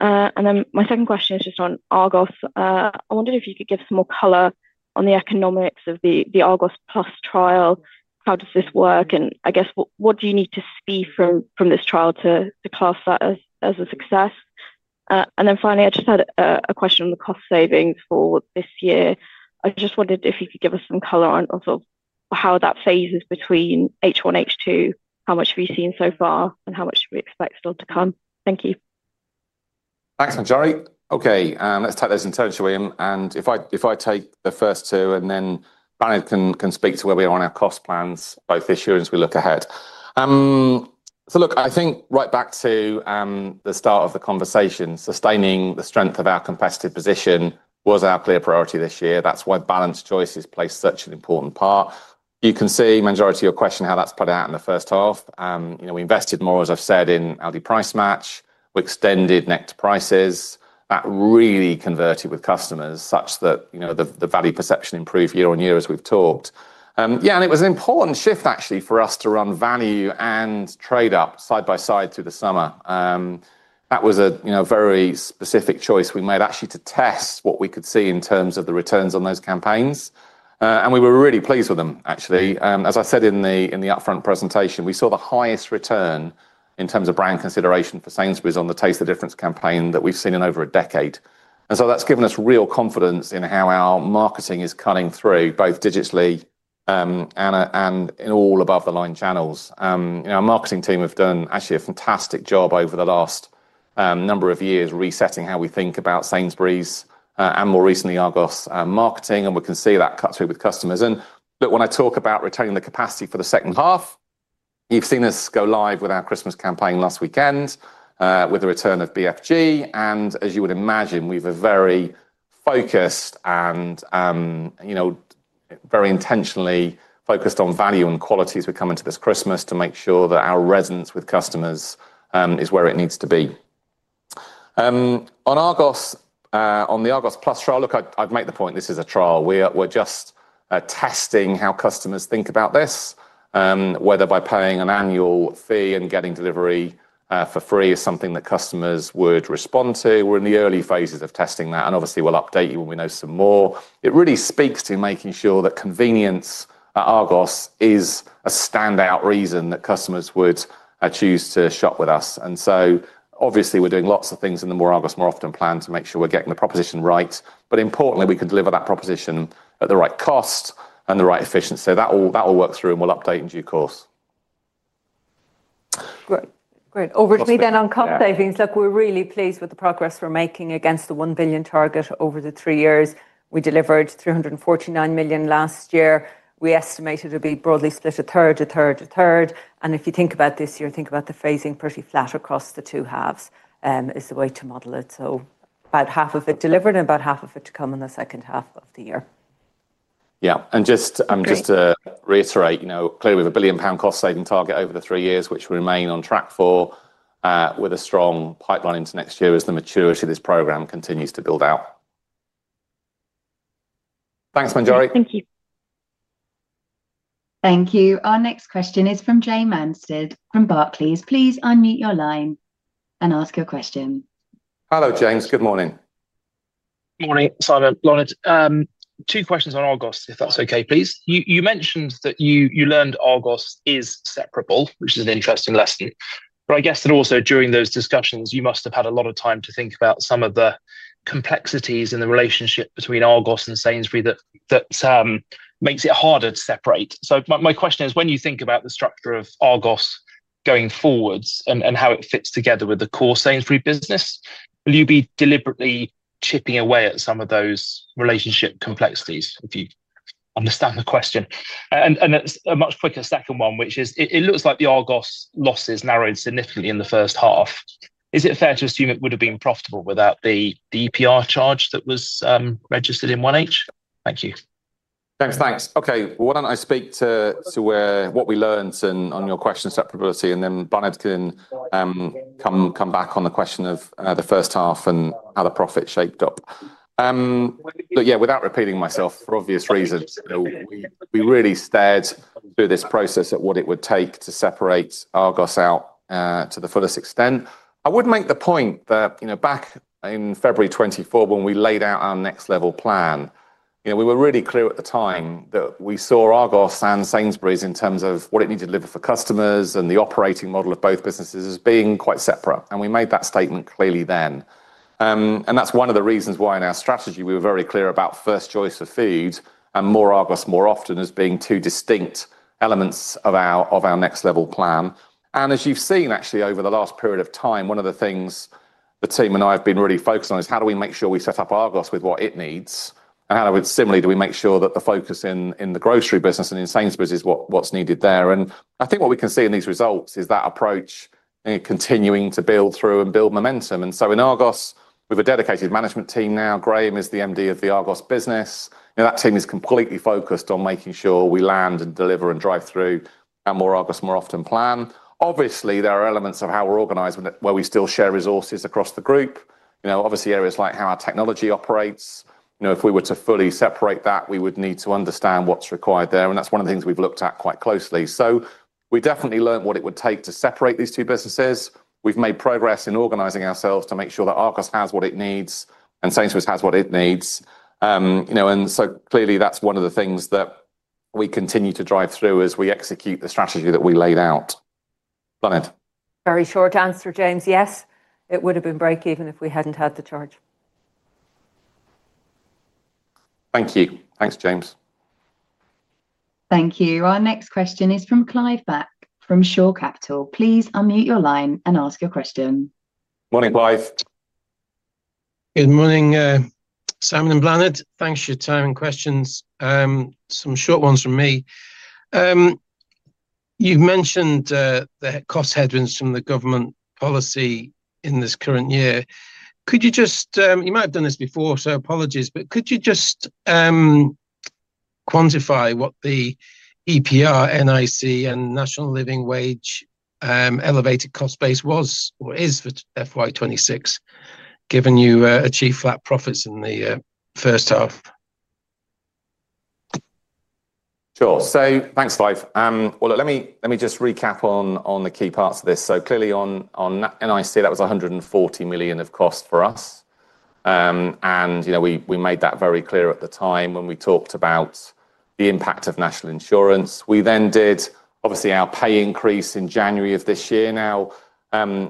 My second question is just on Argos. I wondered if you could give some more color on the economics of the Argos Plus trial. How does this work? I guess, what do you need to see from this trial to class that as a success? Finally, I just had a question on the cost savings for this year. I just wondered if you could give us some color on sort of how that phases between H1, H2, how much have you seen so far, and how much do we expect still to come? Thank you. Thanks, Manjari. Okay, let's take those in turn, William. If I take the first two and then Bláthnaid can speak to where we are on our cost plans, both this year as we look ahead. I think right back to the start of the conversation, sustaining the strength of our competitive position was our clear priority this year. That's why balanced choices played such an important part. You can see the majority of your question how that's played out in the first half. We invested more, as I've said, in Aldi Price Match. We extended Nectar Prices. That really converted with customers such that the value perception improved year-on-year as we've talked. Yeah, and it was an important shift actually for us to run value and trade-up side by side through the summer. That was a very specific choice we made actually to test what we could see in terms of the returns on those campaigns. We were really pleased with them, actually. As I said in the upfront presentation, we saw the highest return in terms of brand consideration for Sainsbury's on the Taste the Difference campaign that we've seen in over a decade. That has given us real confidence in how our marketing is cutting through both digitally. In all above-the-line channels, our marketing team have done actually a fantastic job over the last number of years resetting how we think about Sainsbury's and more recently Argos marketing. We can see that cut-through with customers. When I talk about retaining the capacity for the second half, you have seen us go live with our Christmas campaign last weekend with the return of BFG. As you would imagine, we are very focused and very intentionally focused on value and quality as we come into this Christmas to make sure that our resonance with customers is where it needs to be. On the Argos Plus trial, I would make the point this is a trial. We are just testing how customers think about this, whether by paying an annual fee and getting delivery for free is something that customers would respond to. We're in the early phases of testing that. Obviously, we'll update you when we know some more. It really speaks to making sure that convenience at Argos is a standout reason that customers would choose to shop with us. Obviously, we're doing lots of things in the more Argos more often plan to make sure we're getting the proposition right. Importantly, we can deliver that proposition at the right cost and the right efficiency. That will work through and we'll update in due course. Great. Over to me then on comp savings. Look, we're really pleased with the progress we're making against the 1 billion target over the three years. We delivered 349 million last year. We estimated it would be broadly split 1/3, 1/3, 1/3. If you think about this year, think about the phasing, pretty flat across the two halves is the way to model it. About half of it delivered and about half of it to come in the second half of the year. Yeah, and just to reiterate, clearly we have a 1 billion pound cost saving target over the three years, which we remain on track for. With a strong pipeline into next year as the maturity of this program continues to build out. Thanks, Manjari. Thank you. Thank you. Our next question is from James Anstead from Barclays. Please unmute your line and ask your question. Hello, James. Good morning. Good morning, Simon. Two questions on Argos, if that's okay, please. You mentioned that you learned Argos is separable, which is an interesting lesson. I guess that also during those discussions, you must have had a lot of time to think about some of the complexities in the relationship between Argos and Sainsbury's that makes it harder to separate. My question is, when you think about the structure of Argos going forwards and how it fits together with the core Sainsbury's business, will you be deliberately chipping away at some of those relationship complexities, if you understand the question? A much quicker second one, which is it looks like the Argos losses narrowed significantly in the first half. Is it fair to assume it would have been profitable without the EPR charge that was registered in 1H? Thank you. Thanks, thanks. Okay, why do I not speak to what we learned on your question separability and then Bláthnaid can come back on the question of the first half and how the profit shaped up. Yeah, without repeating myself for obvious reasons, we really stared through this process at what it would take to separate Argos out to the fullest extent. I would make the point that back in February 2024, when we laid out our next-level plan, we were really clear at the time that we saw Argos and Sainsbury's in terms of what it needed to deliver for customers and the operating model of both businesses as being quite separate. We made that statement clearly then. That is one of the reasons why in our strategy we were very clear about first choice of food and more Argos more often as being two distinct elements of our next-level plan. As you have seen, actually, over the last period of time, one of the things the team and I have been really focused on is how do we make sure we set up Argos with what it needs? How similarly do we make sure that the focus in the grocery business and in Sainsbury's is what is needed there? I think what we can see in these results is that approach, continuing to build through and build momentum. In Argos, we have a dedicated management team now. Graham is the MD of the Argos business. That team is completely focused on making sure we land and deliver and drive through our more Argos more often plan. Obviously, there are elements of how we are organized where we still share resources across the group, obviously areas like how our technology operates. If we were to fully separate that, we would need to understand what's required there. That's one of the things we've looked at quite closely. We definitely learned what it would take to separate these two businesses. We've made progress in organizing ourselves to make sure that Argos has what it needs and Sainsbury's has what it needs. Clearly, that's one of the things that we continue to drive through as we execute the strategy that we laid out. Bláthnaid. Very short answer, James. Yes, it would have been break even if we hadn't had the charge. Thank you. Thanks, James. Thank you. Our next question is from Clive Black from Shore Capital. Please unmute your line and ask your question. Morning, Clive. Good morning, Simon and Bláthnaid. Thanks for your time and questions. Some short ones from me. You've mentioned the cost headwinds from the government policy in this current year. Could you just—you might have done this before, so apologies—but could you just quantify what the EPR, NIC, and National Living Wage elevated cost base was or is for FY 2026, given you achieved flat profits in the first half? Sure. Thanks, Clive. Let me just recap on the key parts of this. Clearly, on NIC, that was 140 million of cost for us. We made that very clear at the time when we talked about the impact of National Insurance. We then did, obviously, our pay increase in January of this year. Now,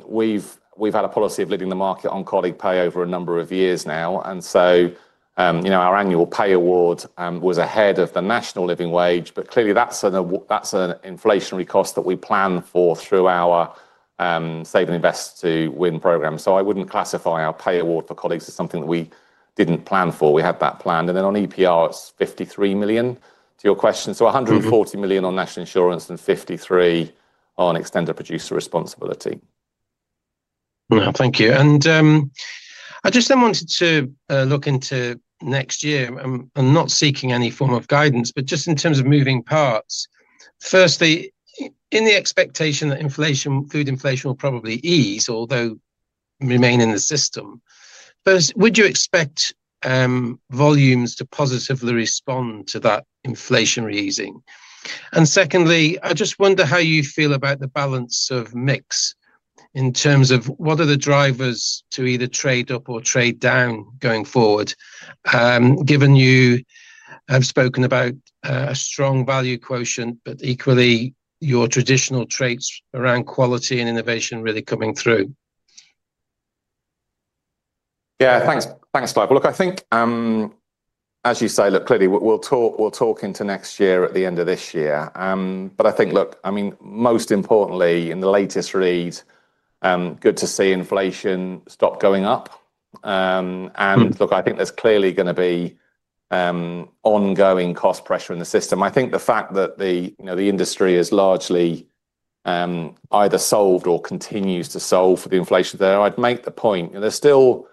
we've had a policy of leading the market on colleague pay over a number of years now. And so. Our annual pay award was ahead of the National Living Wage, but clearly, that's an inflationary cost that we plan for through our Save and Invest to Win program. I wouldn't classify our pay award for colleagues as something that we didn't plan for. We had that planned. On EPR, it's 53 million to your question. 140 million on National Insurance and 53 million on extended producer responsibility. Thank you. I just then wanted to look into next year. I'm not seeking any form of guidance, but just in terms of moving parts. Firstly, in the expectation that food inflation will probably ease, although remain in the system. First, would you expect volumes to positively respond to that inflationary easing? Secondly, I just wonder how you feel about the balance of mix in terms of what are the drivers to either trade up or trade down going forward. Given you have spoken about a strong value quotient, but equally, your traditional traits around quality and innovation really coming through. Yeah, thanks, Clive. Look, I think as you say, look, clearly, we will talk into next year at the end of this year. I think, look, I mean, most importantly, in the latest read, good to see inflation stop going up. I think there is clearly going to be ongoing cost pressure in the system. I think the fact that the industry has largely either solved or continues to solve for the inflation there, I would make the point there is still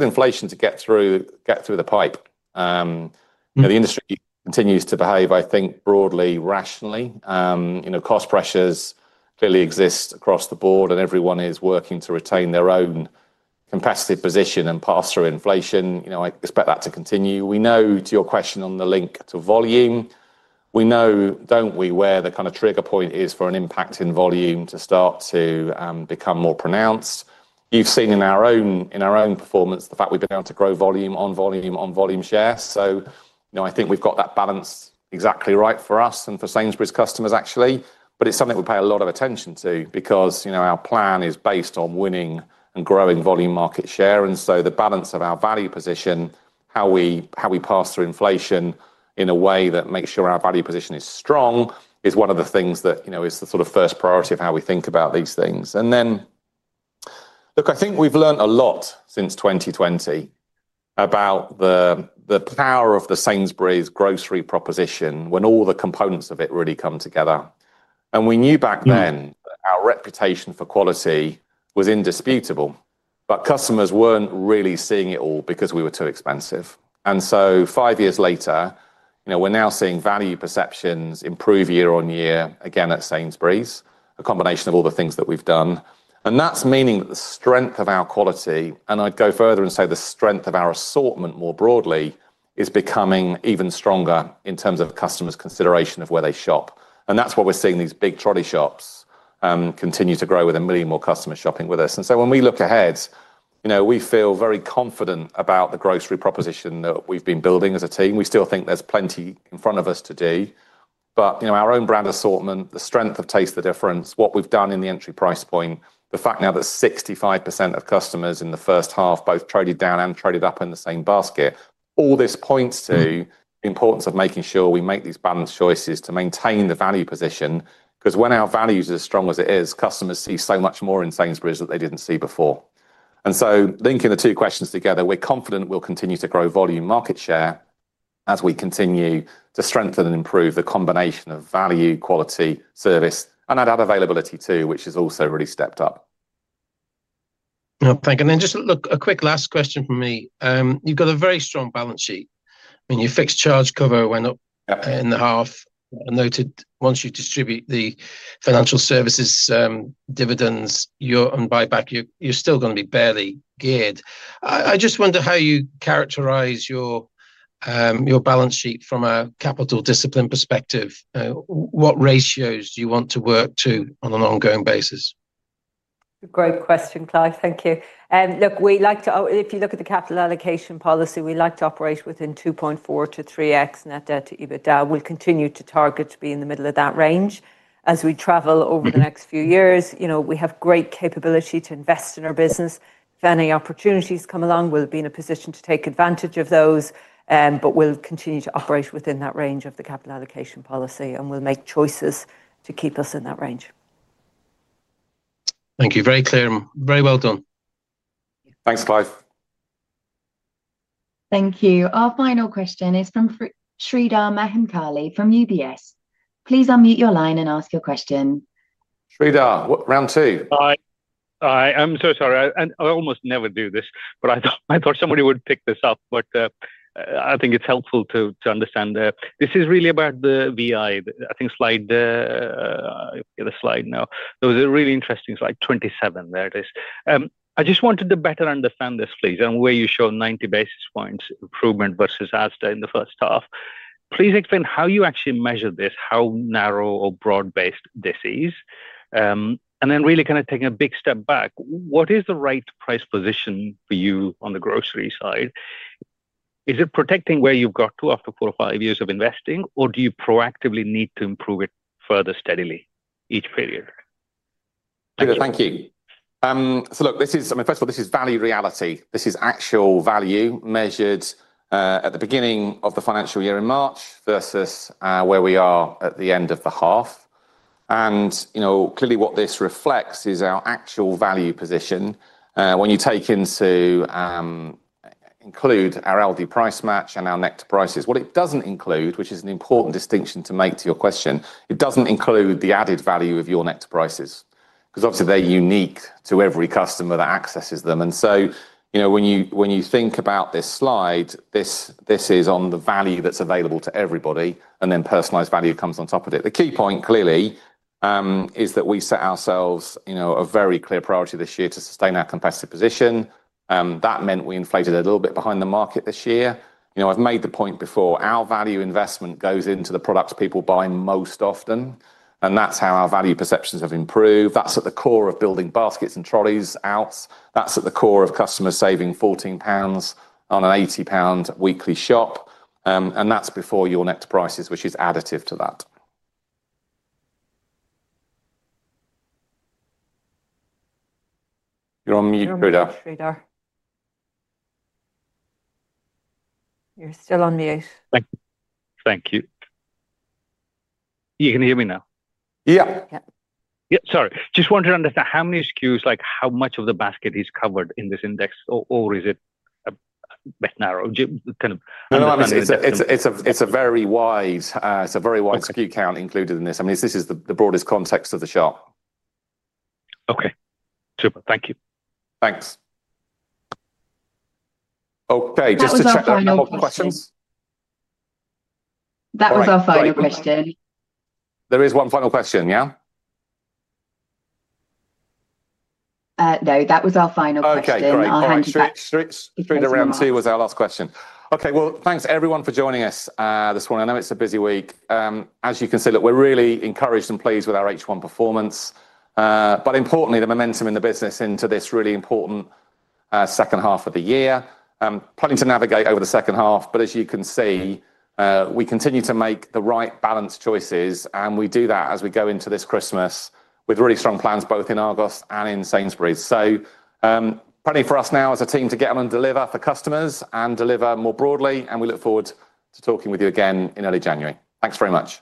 inflation to get through the pipe. The industry continues to behave, I think, broadly rationally. Cost pressures clearly exist across the board, and everyone is working to retain their own capacity position and pass through inflation. I expect that to continue. We know, to your question on the link to volume, we know, do not we, where the kind of trigger point is for an impact in volume to start to become more pronounced. You have seen in our own performance the fact we have been able to grow volume on volume on volume share. I think we have got that balance exactly right for us and for Sainsbury's customers, actually. It is something we pay a lot of attention to because our plan is based on winning and growing volume market share. The balance of our value position, how we pass through inflation in a way that makes sure our value position is strong, is one of the things that is the sort of first priority of how we think about these things. I think we've learned a lot since 2020 about the power of the Sainsbury's grocery proposition when all the components of it really come together. We knew back then that our reputation for quality was indisputable, but customers were not really seeing it all because we were too expensive. Five years later, we are now seeing value perceptions improve year-on-year, again, at Sainsbury's, a combination of all the things that we've done. That means the strength of our quality, and I'd go further and say the strength of our assortment more broadly, is becoming even stronger in terms of customers' consideration of where they shop. That's what we're seeing with these big trolley shops. They continue to grow with a million more customers shopping with us. When we look ahead, we feel very confident about the grocery proposition that we've been building as a team. We still think there's plenty in front of us to do. Our own brand assortment, the strength of Taste the Difference, what we've done in the entry price point, the fact now that 65% of customers in the first half both traded down and traded up in the same basket, all this points to the importance of making sure we make these balanced choices to maintain the value position. Because when our value is as strong as it is, customers see so much more in Sainsbury's that they did not see before. Linking the two questions together, we are confident we will continue to grow volume market share as we continue to strengthen and improve the combination of value, quality, service, and that availability too, which has also really stepped up. Thank you. Just a quick last question from me. You have a very strong balance sheet. I mean, your fixed charge cover went up in the half. I noted once you distribute the financial services dividends, your own buyback, you are still going to be barely geared. I just wonder how you characterize your balance sheet from a capital discipline perspective. What ratios do you want to work to on an ongoing basis? Great question, Clive. Thank you. Look, if you look at the capital allocation policy, we like to operate within 2.4x-3x net debt to EBITDA. We'll continue to target to be in the middle of that range as we travel over the next few years. We have great capability to invest in our business. If any opportunities come along, we'll be in a position to take advantage of those, but we'll continue to operate within that range of the capital allocation policy, and we'll make choices to keep us in that range. Thank you. Very clear. Very well done. Thanks, Clive. Thank you. Our final question is from Sreedhar Mahamkali from UBS. Please unmute your line and ask your question. Sreedhar, round two. Hi. I'm so sorry. I almost never do this, but I thought somebody would pick this up. I think it's helpful to understand. This is really about the VI. I think slide. The slide now. There was a really interesting slide, 27. There it is. I just wanted to better understand this, please, and where you show 90 basis points improvement vs Asda in the first half. Please explain how you actually measure this, how narrow or broad-based this is. Then really kind of taking a big step back, what is the right price position for you on the grocery side? Is it protecting where you've got to after four or five years of investing, or do you proactively need to improve it further steadily each period? Thank you. Look, I mean, first of all, this is value reality. This is actual value measured at the beginning of the financial year in March vs where we are at the end of the half. Clearly, what this reflects is our actual value position. When you take into. Include our Aldi Price Match and our Nectar Prices. What it doesn't include, which is an important distinction to make to your question, it doesn't include the added value of Your Nectar Prices. Because obviously, they're unique to every customer that accesses them. When you think about this slide, this is on the value that's available to everybody, and then personalized value comes on top of it. The key point clearly is that we set ourselves a very clear priority this year to sustain our competitive position. That meant we inflated a little bit behind the market this year. I've made the point before. Our value investment goes into the products people buy most often. That's how our value perceptions have improved. That's at the core of building baskets and trolleys out. That's at the core of customers saving GBP 14 on an GBP 80 weekly shop. That's before your Nectar Prices, which is additive to that. You're on mute, Sreedhar. You're still on mute. Thank you. Thank you. You can hear me now? Yeah. Yeah. Sorry. Just wanted to understand how many SKUs, like how much of the basket is covered in this index, or is it a bit narrow? Kind of. No, I understand. It's a very wide SKU count included in this. I mean, this is the broadest context of the shop. Okay. Super. Thank you. Thanks. Okay. Just to check that. Final questions? That was our final question. There is one final question, yeah? No, that was our final question. Okay. All right. Sreedhar, round two was our last question. Thanks everyone for joining us this morning. I know it's a busy week. As you can see, look, we're really encouraged and pleased with our H1 performance. Importantly, the momentum in the business into this is really important. Second half of the year. Plenty to navigate over the second half. As you can see, we continue to make the right balance choices. We do that as we go into this Christmas with really strong plans, both in Argos and in Sainsbury's. Plenty for us now as a team to get on and deliver for customers and deliver more broadly. We look forward to talking with you again in early January. Thanks very much.